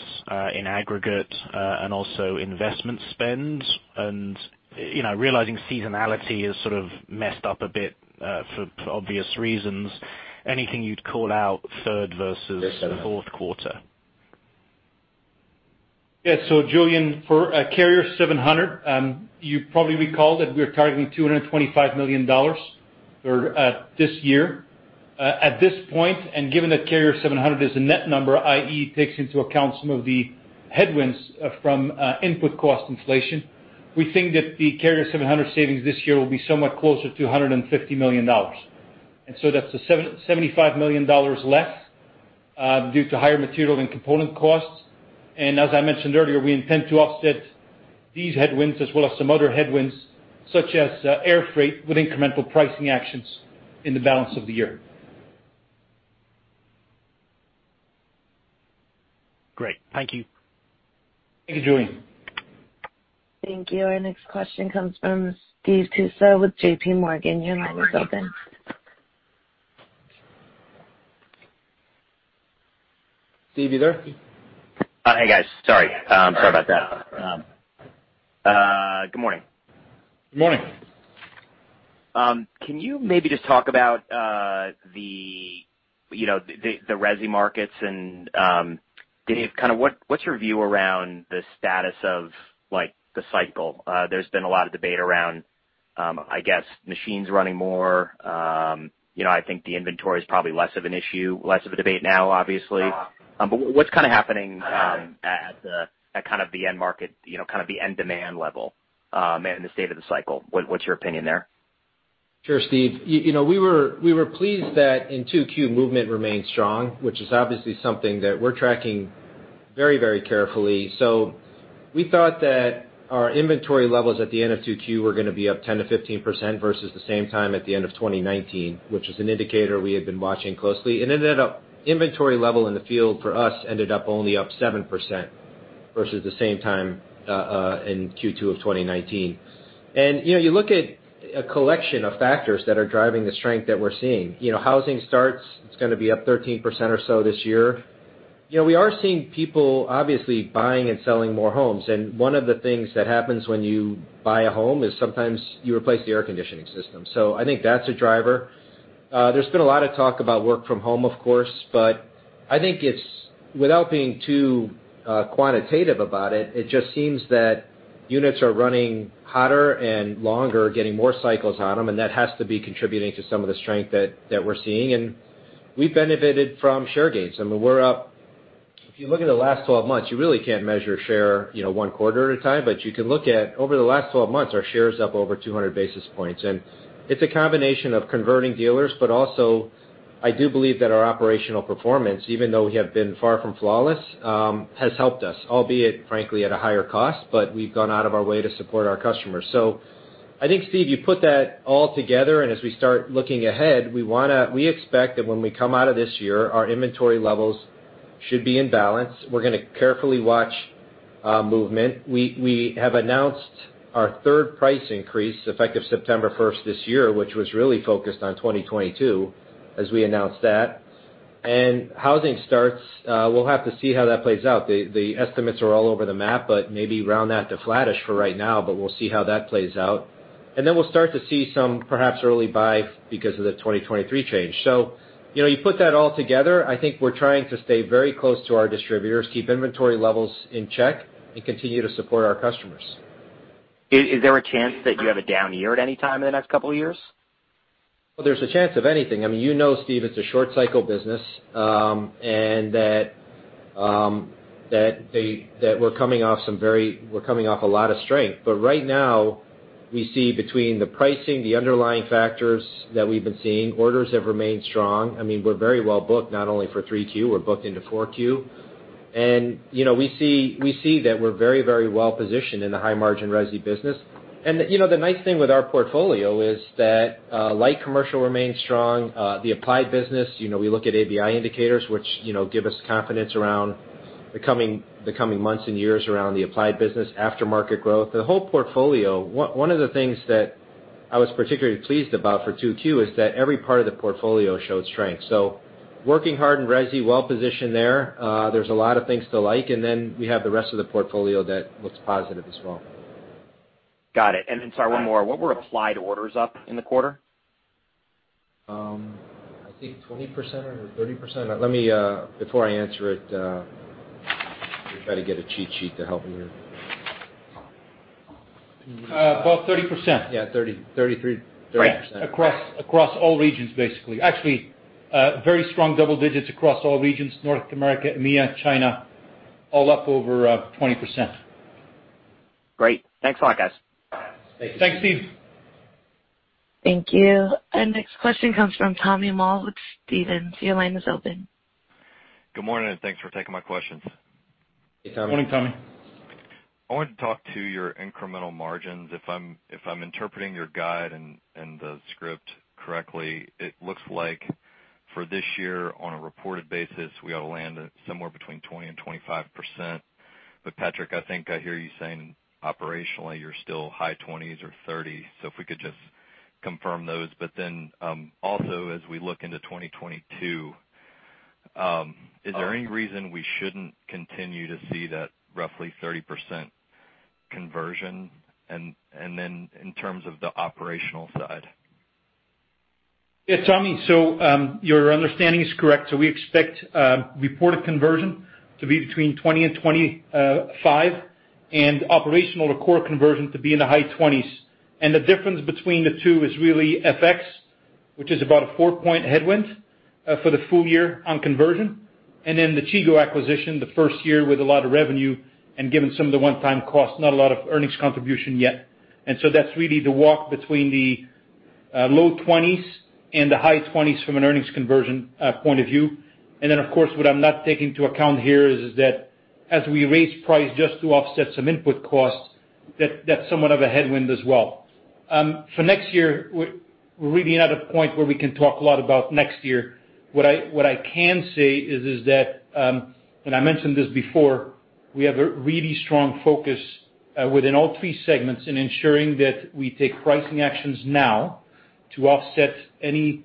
in aggregate, and also investment spend. Realizing seasonality is sort of messed up a bit for obvious reasons. Anything you'd call out third versus fourth quarter? Julian, for Carrier 700, you probably recall that we were targeting $225 million this year. At this point, given that Carrier 700 is a net number, i.e., takes into account some of the headwinds from input cost inflation, we think that the Carrier 700 savings this year will be somewhat closer to $150 million. That's $75 million less due to higher material and component costs. As I mentioned earlier, we intend to offset these headwinds as well as some other headwinds, such as air freight, with incremental pricing actions in the balance of the year. Great. Thank you. Thank you, Julian. Thank you. Our next question comes from Steve Tusa with JPMorgan. Your line is open. Steve, you there? Hey, guys. Sorry. Sorry about that. Good morning. Good morning. Can you maybe just talk about the resi markets, Dave, what's your view around the status of the cycle? There's been a lot of debate around, I guess, machines running more. I think the inventory is probably less of an issue, less of a debate now, obviously. What's happening at the end market, the end demand level and the state of the cycle? What's your opinion there? Sure, Steve. We were pleased that in 2Q, movement remained strong, which is obviously something that we're tracking very carefully. We thought that our inventory levels at the end of 2Q were going to be up 10%-15% versus the same time at the end of 2019, which is an indicator we had been watching closely. It ended up inventory level in the field for us only up 7% versus the same time in Q2 of 2019. You look at a collection of factors that are driving the strength that we're seeing. Housing starts, it's going to be up 13% or so this year. We are seeing people obviously buying and selling more homes. One of the things that happens when you buy a home is sometimes you replace the air conditioning system. I think that's a driver. There's been a lot of talk about work from home, of course, but I think without being too quantitative about it just seems that units are running hotter and longer, getting more cycles on them, and that has to be contributing to some of the strength that we're seeing. We've benefited from share gains. If you look at the last 12 months, you really can't measure share 1 quarter at a time, but you can look at over the last 12 months, our share is up over 200 basis points. It's a combination of converting dealers, but also I do believe that our operational performance, even though we have been far from flawless, has helped us, albeit frankly at a higher cost, but we've gone out of our way to support our customers. I think, Steve, you put that all together, and as we start looking ahead, we expect that when we come out of this year, our inventory levels should be in balance. We're going to carefully watch movement. We have announced our third price increase, effective September 1st this year, which was really focused on 2022, as we announced that. Housing starts, we'll have to see how that plays out. The estimates are all over the map, but maybe round that to flattish for right now, but we'll see how that plays out. Then we'll start to see some perhaps early buy because of the 2023 change. You put that all together, I think we're trying to stay very close to our distributors, keep inventory levels in check, and continue to support our customers. Is there a chance that you have a down year at any time in the next couple of years? Well, there's a chance of anything. You know, Steve, it's a short cycle business, and that we're coming off a lot of strength. Right now, we see between the pricing, the underlying factors that we've been seeing, orders have remained strong. We're very well booked, not only for 3Q, we're booked into 4Q. We see that we're very, very well positioned in the high-margin resi business. The nice thing with our portfolio is that light commercial remains strong. The applied business, we look at ABI indicators, which give us confidence around the coming months and years around the applied business aftermarket growth. The whole portfolio, one of the things that I was particularly pleased about for 2Q is that every part of the portfolio showed strength. Working hard in resi, well positioned there. There's a lot of things to like, and then we have the rest of the portfolio that looks positive as well. Got it. Sorry, one more. What were applied orders up in the quarter? I think 20% or 30%. Let me, before I answer it, let me try to get a cheat sheet to help me here. Above 30%. Yeah, 30%, 33%, 30%. Across all regions, basically. Actually, very strong double digits across all regions, North America, EMEA, China, all up over 20%. Great. Thanks a lot, guys. Thank you. Thanks, Steve. Thank you. Our next question comes from Tommy Moll with Stephens. Your line is open. Good morning, thanks for taking my questions. Hey, Tommy. Morning, Tommy. I wanted to talk to your incremental margins. If I'm interpreting your guide and the script correctly, it looks like for this year, on a reported basis, we ought to land at somewhere between 20% and 25%. Patrick, I think I hear you saying operationally, you're still high 20s or 30%. If we could just confirm those, also as we look into 2022, is there any reason we shouldn't continue to see that roughly 30% conversion in terms of the operational side? Yeah, Tommy, your understanding is correct. We expect reported conversion to be between 20% and 25%, and operational or core conversion to be in the high 20s. The difference between the two is really FX, which is about a four-point headwind for the full year on conversion. The Chigo acquisition, the first year with a lot of revenue, given some of the one-time costs, not a lot of earnings contribution yet. That's really the walk between the low 20s and the high 20s from an earnings conversion point of view. Of course, what I'm not taking into account here is that as we raise price just to offset some input costs, that's somewhat of a headwind as well. For next year, we're really not at a point where we can talk a lot about next year. What I can say is that, and I mentioned this before, we have a really strong focus within all three segments in ensuring that we take pricing actions now to offset any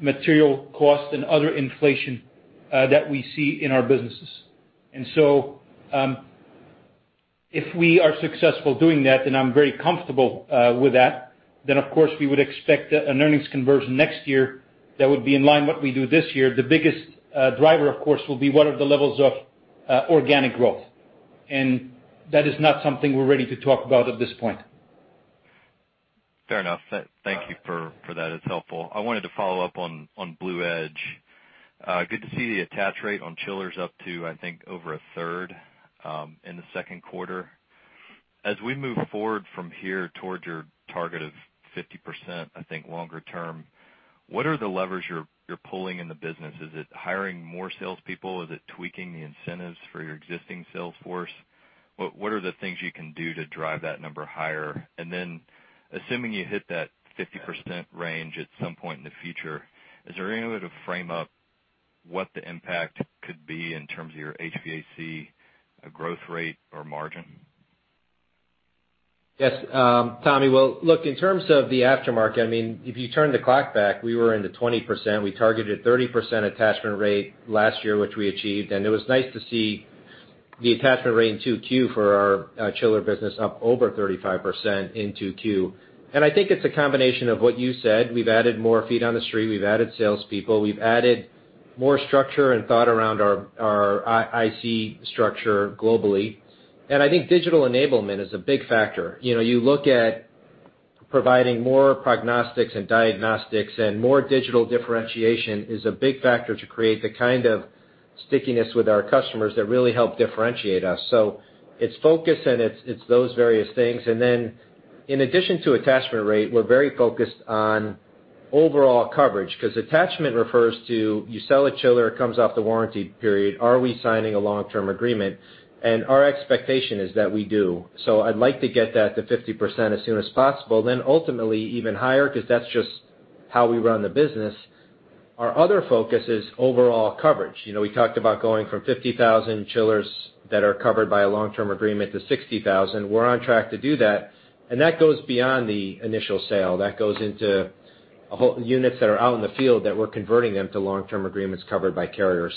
material cost and other inflation that we see in our businesses. If we are successful doing that, and I'm very comfortable with that, then of course we would expect an earnings conversion next year that would be in line what we do this year. The biggest driver, of course, will be what are the levels of organic growth. That is not something we're ready to talk about at this point. Fair enough. Thank you for that. It's helpful. I wanted to follow up on BluEdge. Good to see the attach rate on chillers up to, I think, over a third in the second quarter. As we move forward from here towards your target of 50%, I think longer term, what are the levers you're pulling in the business? Is it hiring more salespeople? Is it tweaking the incentives for your existing sales force? What are the things you can do to drive that number higher? Assuming you hit that 50% range at some point in the future, is there any way to frame up what the impact could be in terms of your HVAC growth rate or margin? Yes. Tommy, well, look, in terms of the aftermarket, if you turn the clock back, we were in the 20%. We targeted 30% attachment rate last year, which we achieved, it was nice to see the attachment rate in 2Q for our chiller business up over 35% in 2Q. I think it's a combination of what you said. We've added more feet on the street. We've added salespeople. We've added more structure and thought around our IC structure globally. I think digital enablement is a big factor. You look at providing more prognostics and diagnostics and more digital differentiation is a big factor to create the kind of stickiness with our customers that really help differentiate us. It's focus and it's those various things. In addition to attachment rate, we're very focused on overall coverage, because attachment refers to you sell a chiller, it comes off the warranty period. Are we signing a long-term agreement? Our expectation is that we do. I'd like to get that to 50% as soon as possible, then ultimately even higher, because that's just how we run the business. Our other focus is overall coverage. We talked about going from 50,000 chillers that are covered by a long-term agreement to 60,000. We're on track to do that, and that goes beyond the initial sale. That goes into units that are out in the field that we're converting them to long-term agreements covered by Carrier.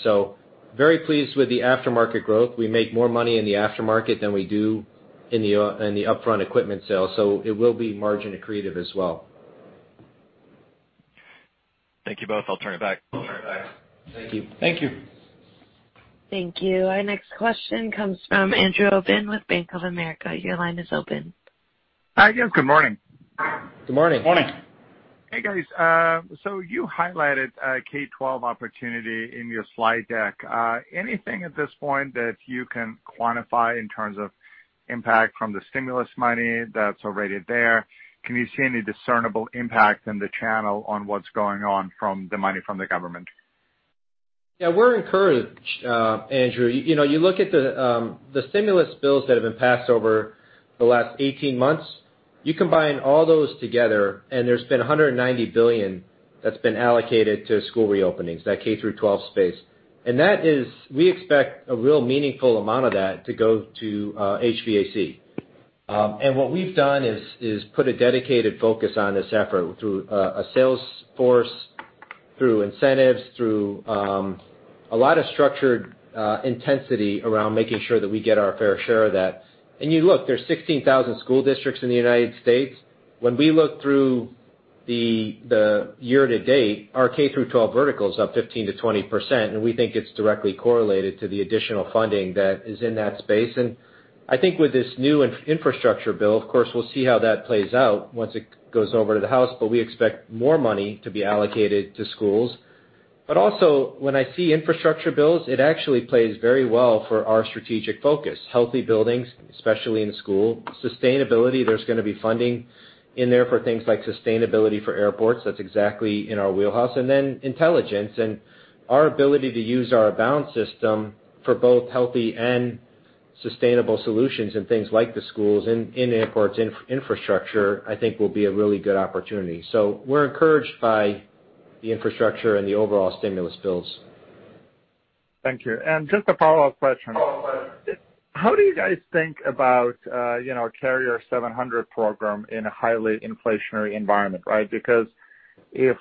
Very pleased with the aftermarket growth. We make more money in the aftermarket than we do in the upfront equipment sale, so it will be margin accretive as well. Thank you both. I'll turn it back. Thank you. Thank you. Thank you. Our next question comes from Andrew Obin with Bank of America. Your line is open. Hi, guys. Good morning. Good morning. Morning. Hey, guys. You highlighted a K-12 opportunity in your slide deck. Anything at this point that you can quantify in terms of impact from the stimulus money that's already there? Can you see any discernible impact in the channel on what's going on from the money from the government? Yeah, we're encouraged, Andrew. You look at the stimulus bills that have been passed over the last 18 months. You combine all those together, there's been $190 billion that's been allocated to school reopenings, that K through 12 space. That is we expect a real meaningful amount of that to go to HVAC. What we've done is put a dedicated focus on this effort through a sales force, through incentives, through a lot of structured intensity around making sure that we get our fair share of that. You look, there's 16,000 school districts in the United States. When we look through the year-to-date, our K through 12 vertical is up 15%-20%, and we think it's directly correlated to the additional funding that is in that space. I think with this new infrastructure bill, of course, we'll see how that plays out once it goes over to the House, but we expect more money to be allocated to schools. Also when I see infrastructure bills, it actually plays very well for our strategic focus. Healthy buildings, especially in school. Sustainability, there's going to be funding in there for things like sustainability for airports. That's exactly in our wheelhouse. Then intelligence and our ability to use our Abound system for both healthy and sustainable solutions and things like the schools in airports, infrastructure, I think will be a really good opportunity. We're encouraged by the infrastructure and the overall stimulus bills. Thank you. Just a follow-up question. How do you guys think about Carrier 700 Program in a highly inflationary environment? If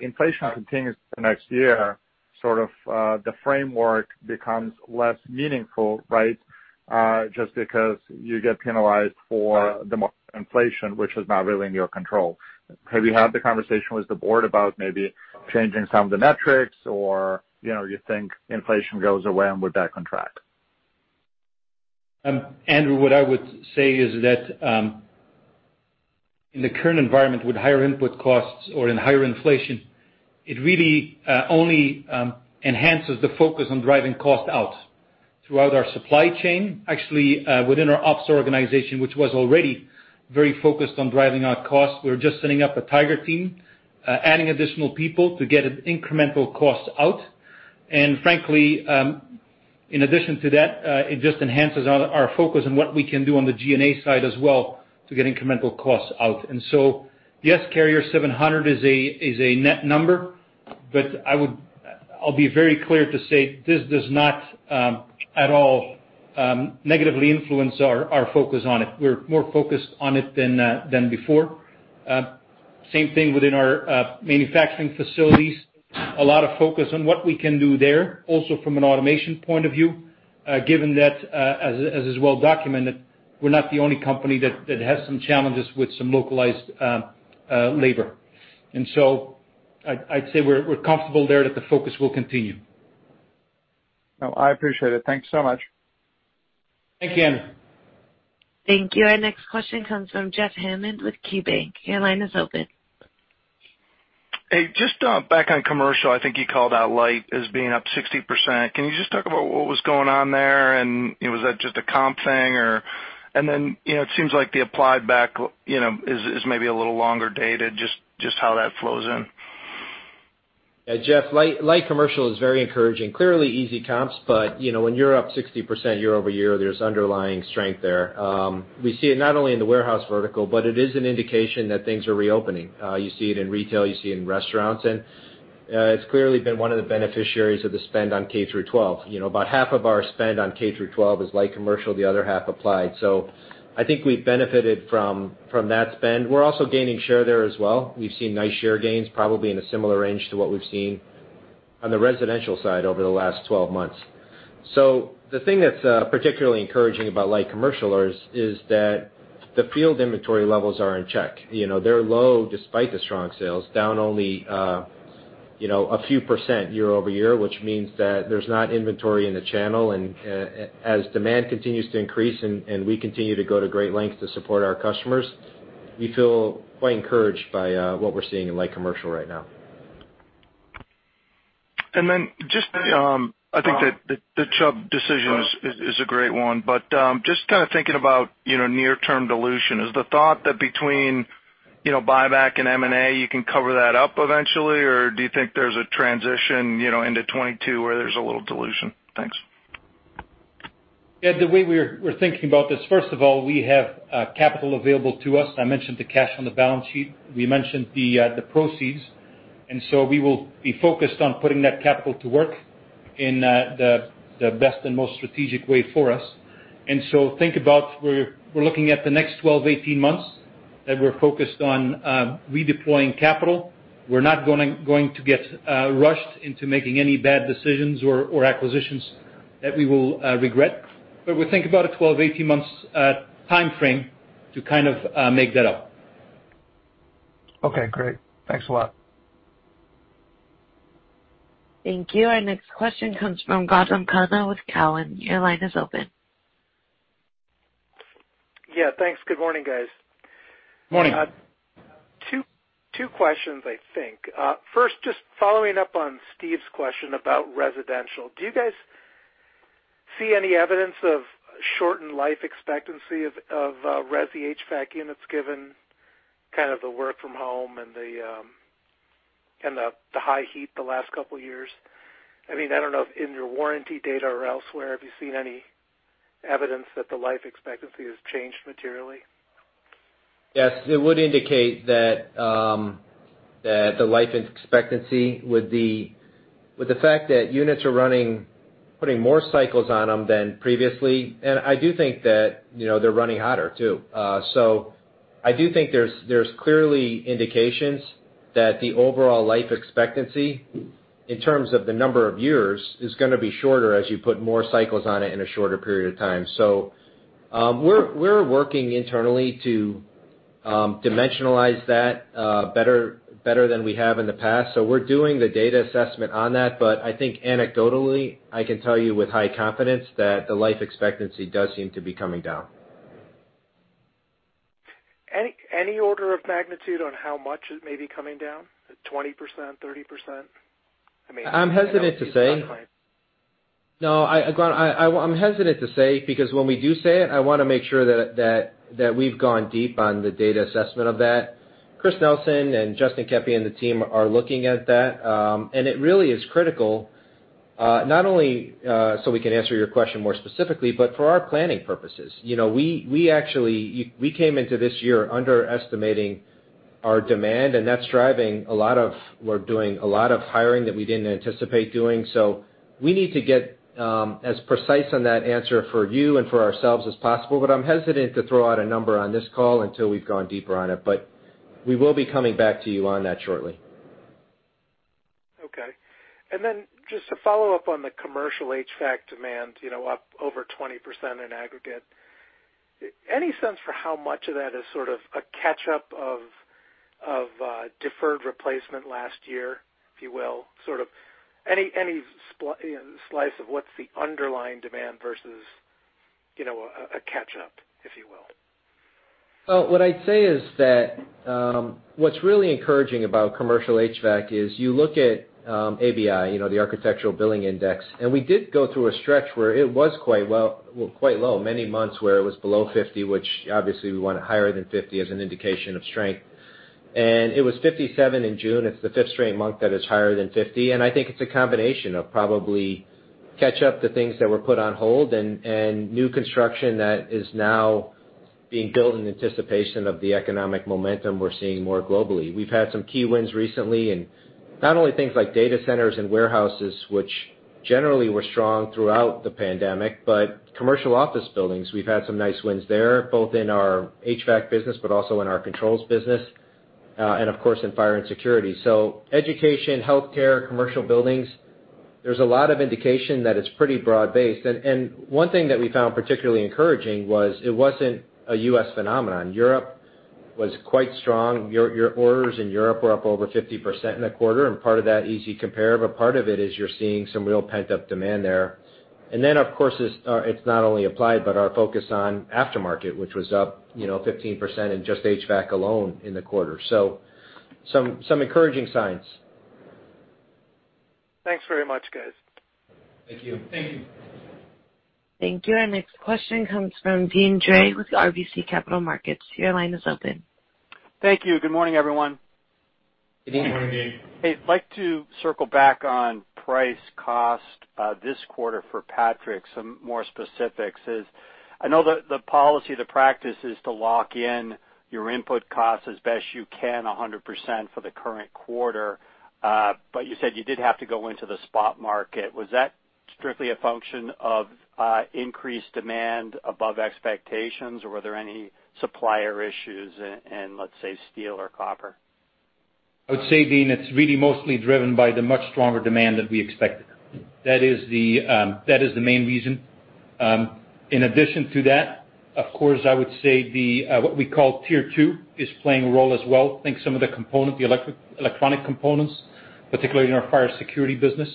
inflation continues to the next year, sort of the framework becomes less meaningful, right? You get penalized for the inflation, which is not really in your control. Have you had the conversation with the board about maybe changing some of the metrics or you think inflation goes away and we're back on track? Andrew, what I would say is that in the current environment with higher input costs or in higher inflation, it really only enhances the focus on driving cost out throughout our supply chain. Actually, within our ops organization, which was already very focused on driving out costs. We're just setting up a tiger team, adding additional people to get incremental costs out. Frankly, in addition to that, it just enhances our focus on what we can do on the G&A side as well to get incremental costs out. Yes, Carrier 700 is a net number, but I'll be very clear to say this does not at all negatively influence our focus on it. We're more focused on it than before. Same thing within our manufacturing facilities. A lot of focus on what we can do there. Also from an automation point of view given that as is well documented, we're not the only company that has some challenges with some localized labor. I'd say we're comfortable there that the focus will continue. I appreciate it. Thank you so much. Thank you, Andrew. Thank you. Our next question comes from Jeff Hammond with KeyBanc. Your line is open. Hey, just back on commercial, I think you called out light as being up 60%. Can you just talk about what was going on there and was that just a comp thing? Then it seems like the applied back is maybe a little longer dated, just how that flows in. Yeah, Jeff, light commercial is very encouraging. Clearly easy comps, when you're up 60% year-over-year, there's underlying strength there. We see it not only in the warehouse vertical, but it is an indication that things are reopening. You see it in retail, you see it in restaurants, it's clearly been one of the beneficiaries of the spend on K through 12. About half of our spend on K through 12 is light commercial, the other half applied. I think we benefited from that spend. We're also gaining share there as well. We've seen nice share gains, probably in a similar range to what we've seen on the residential side over the last 12 months. The thing that's particularly encouraging about light commercial is that the field inventory levels are in check. They're low, despite the strong sales, down only a few % year-over-year, which means that there's not inventory in the channel. As demand continues to increase and we continue to go to great lengths to support our customers. We feel quite encouraged by what we're seeing in light commercial right now. I think that the Chubb decision is a great one, but just kind of thinking about near term dilution. Is the thought that between, buyback and M&A, you can cover that up eventually, or do you think there's a transition into 2022 where there's a little dilution? Thanks. Jeff, the way we're thinking about this, first of all, we have capital available to us. I mentioned the cash on the balance sheet. We mentioned the proceeds. We will be focused on putting that capital to work in the best and most strategic way for us. Think about we're looking at the next 12 months-18 months that we're focused on redeploying capital. We're not going to get rushed into making any bad decisions or acquisitions that we will regret. We think about a 12 months-18 months timeframe to kind of make that up. Okay, great. Thanks a lot. Thank you. Our next question comes from Gautam Khanna with Cowen. Your line is open. Yeah, thanks. Good morning, guys. Morning. Two questions, I think. First, just following up on Steve's question about residential. Do you guys see any evidence of shortened life expectancy of resi HVAC units given kind of the work from home and the high heat the last couple of years? I don't know if in your warranty data or elsewhere, have you seen any evidence that the life expectancy has changed materially? Yes. It would indicate that the life expectancy with the fact that units are running, putting more cycles on them than previously. I do think that they're running hotter, too. I do think there's clearly indications that the overall life expectancy in terms of the number of years is going to be shorter as you put more cycles on it in a shorter period of time. We're working internally to dimensionalize that better than we have in the past. We're doing the data assessment on that. I think anecdotally, I can tell you with high confidence that the life expectancy does seem to be coming down. Any order of magnitude on how much it may be coming down? 20%, 30%? I mean. No, Gautam, I'm hesitant to say because when we do say it, I want to make sure that we've gone deep on the data assessment of that. Chris Nelson and Justin Keppy and the team are looking at that. It really is critical, not only so we can answer your question more specifically, but for our planning purposes. We came into this year underestimating our demand, and that's driving a lot of hiring that we didn't anticipate doing. We need to get as precise on that answer for you and for ourselves as possible. I'm hesitant to throw out a number on this call until we've gone deeper on it, but we will be coming back to you on that shortly. Okay. Just to follow up on the commercial HVAC demand, up over 20% in aggregate. Any sense for how much of that is sort of a catch-up of deferred replacement last year, if you will? Sort of any slice of what's the underlying demand versus a catch-up, if you will? What I'd say is that what's really encouraging about commercial HVAC is you look at ABI, the Architectural Billings Index. We did go through a stretch where it was quite low many months where it was below 50, which obviously we want higher than 50 as an indication of strength. It was 57 in June. It's the fifth straight month that it's higher than 50. I think it's a combination of probably catch up to things that were put on hold and new construction that is now being built in anticipation of the economic momentum we're seeing more globally. We've had some key wins recently in not only things like data centers and warehouses, which generally were strong throughout the pandemic, but commercial office buildings. We've had some nice wins there, both in our HVAC business but also in our controls business, and of course, in fire and security. Education, healthcare, commercial buildings, there's a lot of indication that it's pretty broad-based. One thing that we found particularly encouraging was it wasn't a U.S. phenomenon. Europe was quite strong. Your orders in Europe were up over 50% in a quarter, and part of that easy compare, but part of it is you're seeing some real pent-up demand there. Then, of course, it's not only applied, but our focus on aftermarket, which was up 15% in just HVAC alone in the quarter. Some encouraging signs. Thanks very much, guys. Thank you. Thank you. Thank you. Our next question comes from Deane Dray with RBC Capital Markets. Your line is open. Thank you. Good morning, everyone. Good morning. Good morning, Deane. Hey, I'd like to circle back on price cost this quarter for Patrick, some more specifics is I know the policy, the practice is to lock in your input cost as best you can 100% for the current quarter. You said you did have to go into the spot market. Was that strictly a function of increased demand above expectations, or were there any supplier issues in, let's say, steel or copper? I would say, Deane, it's really mostly driven by the much stronger demand that we expected. That is the main reason. In addition to that, of course, I would say what we call tier 2 is playing a role as well. I think some of the electronic components, particularly in our fire security business,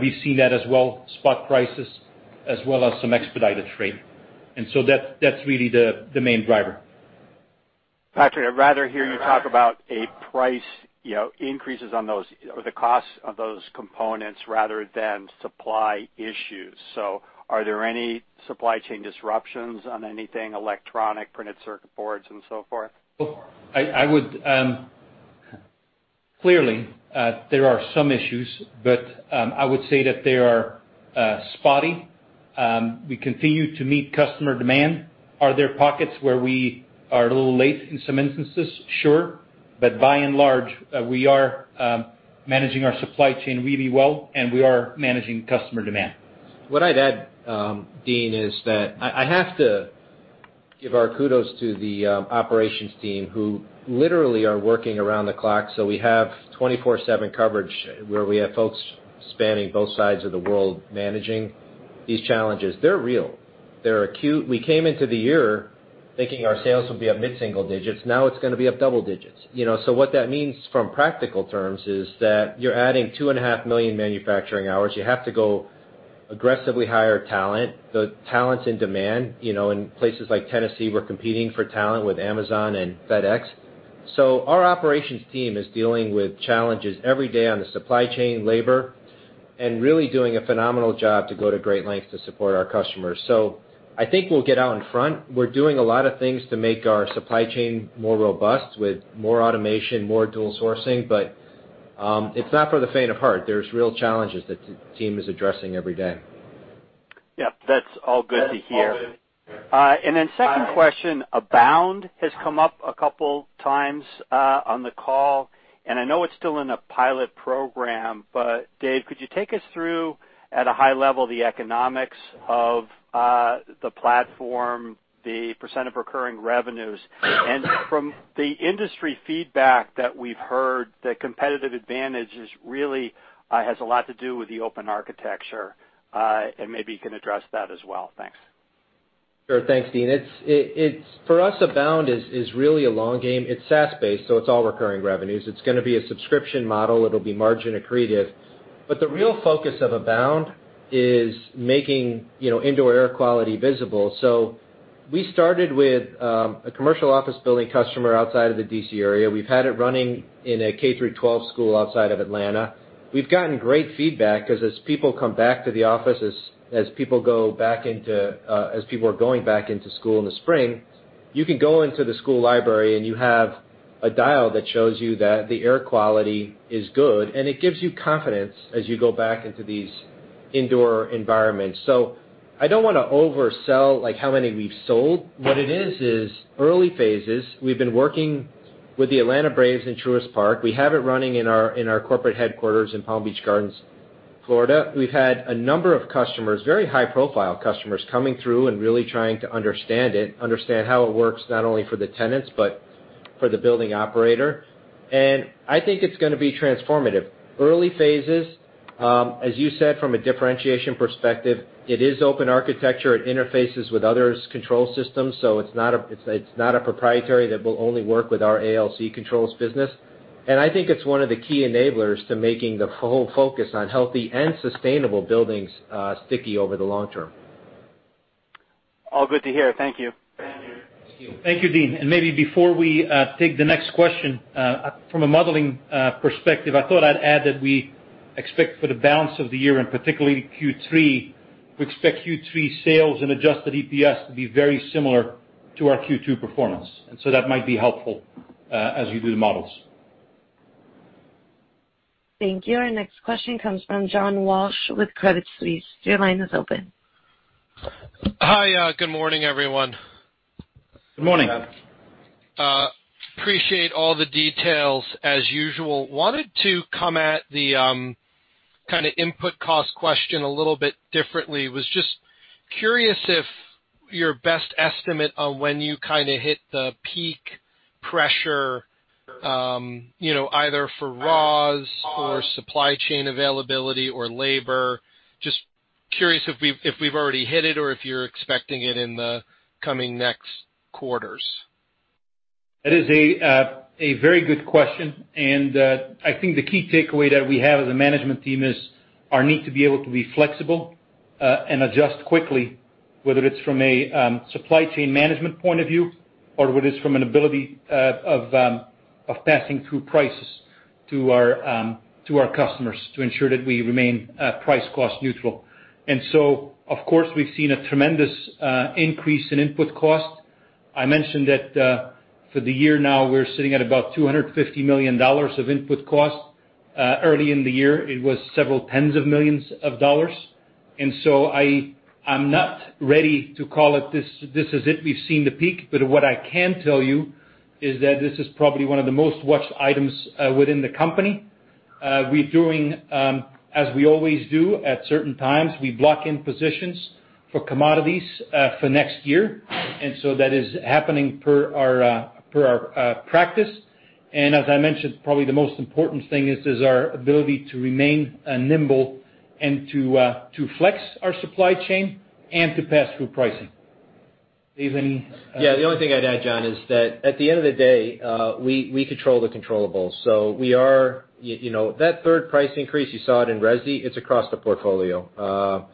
we've seen that as well, spot prices as well as some expedited freight. That's really the main driver. Patrick, I'd rather hear you talk about price increases on those, or the cost of those components rather than supply issues. Are there any supply chain disruptions on anything electronic, printed circuit boards, and so forth? Clearly, there are some issues, but I would say that they are spotty. We continue to meet customer demand. Are there pockets where we are a little late in some instances? Sure. By and large, we are managing our supply chain really well, and we are managing customer demand. What I'd add, Deane, is that I have to give our kudos to the operations team, who literally are working around the clock. We have 24/7 coverage, where we have folks spanning both sides of the world managing these challenges. They're real. They're acute. We came into the year thinking our sales would be up mid-single digits. Now it's going to be up double digits. What that means from practical terms is that you're adding 2.5 million manufacturing hours. You have to go aggressively hire talent. The talent's in demand. In places like Tennessee, we're competing for talent with Amazon and FedEx. Our operations team is dealing with challenges every day on the supply chain, labor, and really doing a phenomenal job to go to great lengths to support our customers. I think we'll get out in front. We're doing a lot of things to make our supply chain more robust with more automation, more dual sourcing, but it's not for the faint of heart. There's real challenges that the team is addressing every day. Yep, that's all good to hear. Second question, Abound has come up a couple times on the call, I know it's still in a pilot program, but Dave, could you take us through, at a high level, the economics of the platform, the percent of recurring revenues? From the industry feedback that we've heard, the competitive advantage really has a lot to do with the open architecture. Maybe you can address that as well. Thanks. Sure. Thanks, Deane. For us, Abound is really a long game. It's SaaS-based, it's all recurring revenues. It's going to be a subscription model. It'll be margin accretive. The real focus of Abound is making indoor air quality visible. We started with a commercial office building customer outside of the D.C. area. We've had it running in a K through 12 school outside of Atlanta. We've gotten great feedback because as people come back to the office, as people are going back into school in the spring, you can go into the school library, you have a dial that shows you that the air quality is good, it gives you confidence as you go back into these indoor environments. I don't want to oversell how many we've sold. What it is early phases. We've been working with the Atlanta Braves in Truist Park. We have it running in our corporate headquarters in Palm Beach Gardens, Florida. We've had a number of customers, very high-profile customers, coming through and really trying to understand it, understand how it works, not only for the tenants, but for the building operator. I think it's going to be transformative. Early phases, as you said, from a differentiation perspective, it is open architecture. It interfaces with others' control systems. It's not a proprietary that will only work with our ALC controls business. I think it's one of the key enablers to making the whole focus on healthy and sustainable buildings sticky over the long term. All good to hear. Thank you. Thank you, Deane. Maybe before we take the next question, from a modeling perspective, I thought I'd add that we expect for the balance of the year, and particularly Q3, we expect Q3 sales and adjusted EPS to be very similar to our Q2 performance. That might be helpful as you do the models. Thank you. Our next question comes from John Walsh with Credit Suisse. Your line is open. Hi. Good morning, everyone. Good morning. Appreciate all the details, as usual. Wanted to come at the input cost question a little bit differently. Was just curious if your best estimate on when you hit the peak pressure, either for raws or supply chain availability or labor. Just curious if we've already hit it or if you're expecting it in the coming next quarters. That is a very good question. I think the key takeaway that we have as a management team is our need to be able to be flexible and adjust quickly, whether it's from a supply chain management point of view, or whether it's from an ability of passing through prices to our customers to ensure that we remain price-cost neutral. Of course, we've seen a tremendous increase in input cost. I mentioned that for the year now, we're sitting at about $250 million of input cost. Early in the year, it was several tens of millions of dollars. I'm not ready to call it, this is it, we've seen the peak. What I can tell you is that this is probably one of the most watched items within the company. We're doing as we always do at certain times. We block in positions for commodities for next year. That is happening per our practice. As I mentioned, probably the most important thing is our ability to remain nimble and to flex our supply chain and to pass through pricing. Yeah, the only thing I'd add, John, is that at the end of the day, we control the controllables. That third price increase, you saw it in resi, it's across the portfolio.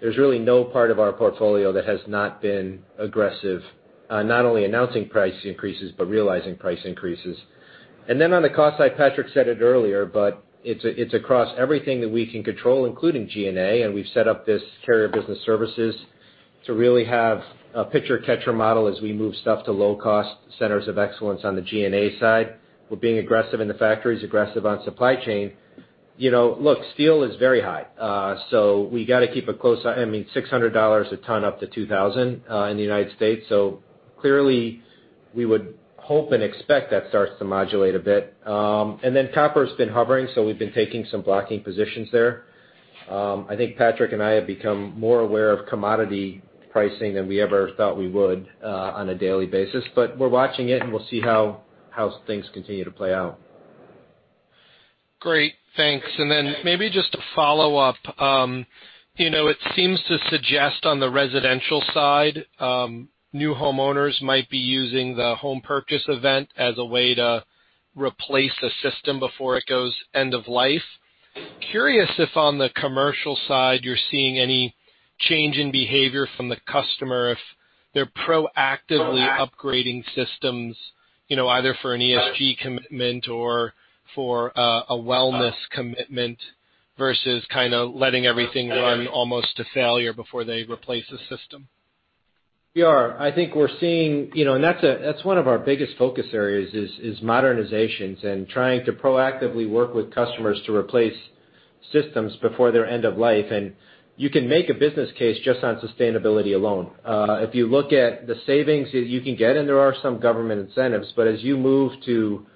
There's really no part of our portfolio that has not been aggressive on not only announcing price increases, but realizing price increases. On the cost side, Patrick said it earlier, but it's across everything that we can control, including G&A, and we've set up this Carrier Business Services to really have a pitcher-catcher model as we move stuff to low-cost centers of excellence on the G&A side. We're being aggressive in the factories, aggressive on supply chain. Look, steel is very high. I mean, $600 a ton up to $2,000 in the United States. Clearly we would hope and expect that starts to modulate a bit. Copper's been hovering, so we've been taking some blocking positions there. I think Patrick and I have become more aware of commodity pricing than we ever thought we would on a daily basis. We're watching it, and we'll see how things continue to play out. Great. Thanks. Maybe just to follow up. It seems to suggest on the residential side, new homeowners might be using the home purchase event as a way to replace a system before it goes end of life. Curious if on the commercial side, you're seeing any change in behavior from the customer, if they're proactively upgrading systems, either for an ESG commitment or for a wellness commitment versus kind of letting everything run almost to failure before they replace the system. We are. That's one of our biggest focus areas, is modernizations and trying to proactively work with customers to replace systems before they're end of life. You can make a business case just on sustainability alone. If you look at the savings that you can get, and there are some government incentives, but as you move to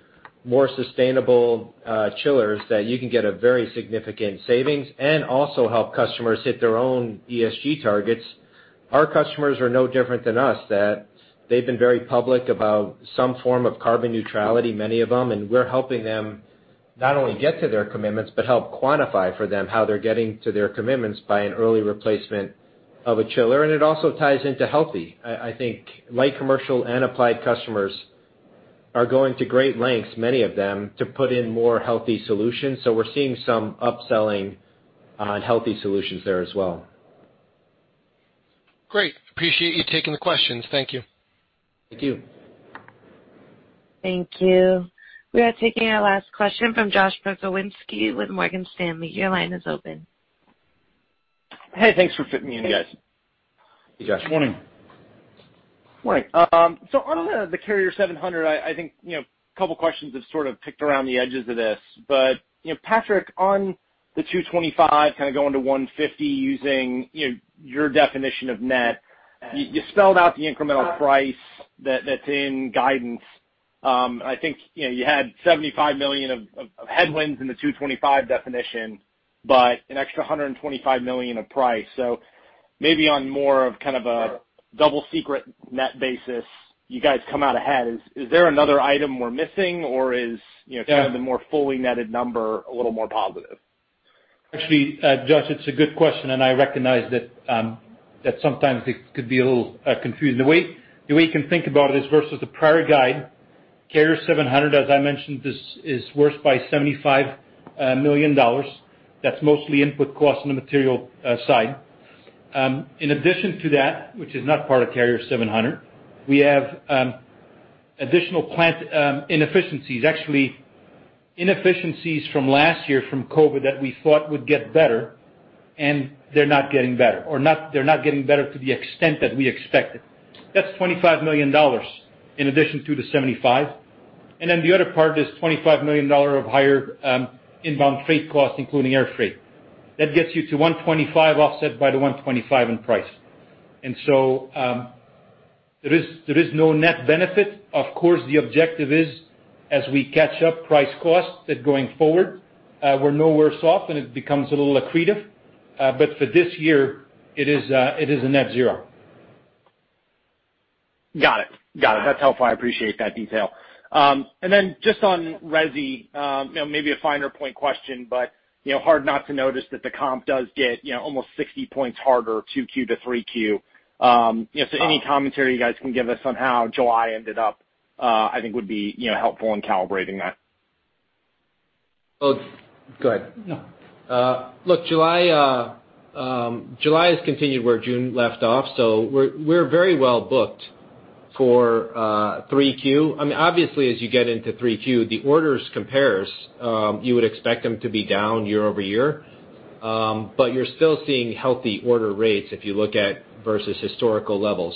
more sustainable chillers, that you can get a very significant savings and also help customers hit their own ESG targets. Our customers are no different than us, that they've been very public about some form of carbon neutrality, many of them. We're helping them not only get to their commitments, but help quantify for them how they're getting to their commitments by an early replacement of a chiller. It also ties into healthy. I think light commercial and applied customers are going to great lengths, many of them, to put in more healthy solutions. We're seeing some upselling on healthy solutions there as well. Great. Appreciate you taking the questions. Thank you. Thank you. Thank you. We are taking our last question from Josh Pokrzywinski with Morgan Stanley. Your line is open. Hey, thanks for fitting me in, guys. Hey, Josh. Morning. Morning. On the Carrier 700, I think a couple of questions have sort of picked around the edges of this. Patrick, on the $225 million kind of going to $150 million using your definition of net, you spelled out the incremental price that's in guidance. I think you had $75 million of headwinds in the $225 million definition, but an extra $125 million of price. Maybe on more of kind of a double secret net basis, you guys come out ahead. Is there another item we're missing? Yeah Or kind of the more fully netted number a little more positive? Actually, Josh, it's a good question, and I recognize that sometimes it could be a little confusing. The way you can think about it is versus the prior guide, Carrier 700, as I mentioned, is worse by $75 million. That's mostly input cost on the material side. In addition to that, which is not part of Carrier 700, we have additional plant inefficiencies. Actually, inefficiencies from last year from COVID that we thought would get better, and they're not getting better, or they're not getting better to the extent that we expected. That's $25 million in addition to the $75 million. The other part is $25 million of higher inbound freight costs, including air freight. That gets you to $125 million offset by the $125 million in price. There is no net benefit. Of course, the objective is as we catch up price costs that going forward, we're nowhere soft and it becomes a little accretive. For this year it is a net zero. Got it. Got it. That is helpful. I appreciate that detail. Just on resi, maybe a finer point question, but hard not to notice that the comp does get almost 60 points harder 2Q to 3Q. Any commentary you guys can give us on how July ended up, I think would be helpful in calibrating that. Go ahead. No. Look, July has continued where June left off. We're very well booked for 3Q. Obviously, as you get into 3Q, the orders compares, you would expect them to be down year-over-year. You're still seeing healthy order rates if you look at versus historical levels.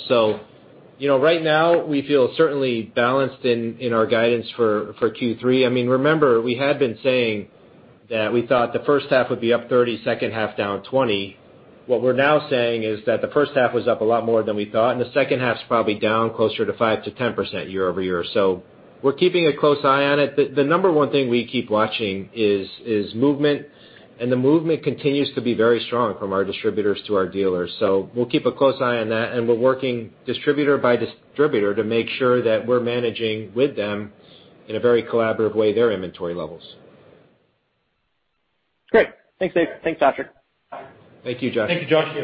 Right now we feel certainly balanced in our guidance for Q3. Remember, we had been saying that we thought the first half would be up 30%, second half down 20%. What we're now saying is that the first half was up a lot more than we thought, and the second half's probably down closer to 5%-10% year-over-year. We're keeping a close eye on it. The number one thing we keep watching is movement, and the movement continues to be very strong from our distributors to our dealers. We'll keep a close eye on that, and we're working distributor by distributor to make sure that we're managing with them in a very collaborative way their inventory levels. Great. Thanks, Dave. Thanks, Patrick. Thank you, Josh. Thank you, Josh.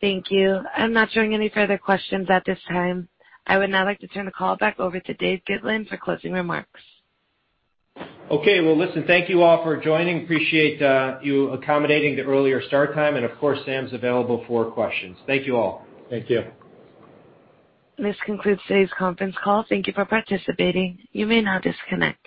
Thank you. I'm not showing any further questions at this time. I would now like to turn the call back over to Dave Gitlin for closing remarks. Okay. Well, listen, thank you all for joining. Appreciate you accommodating the earlier start time. Of course, Sam's available for questions. Thank you all. Thank you. This concludes today's conference call. Thank you for participating. You may now disconnect.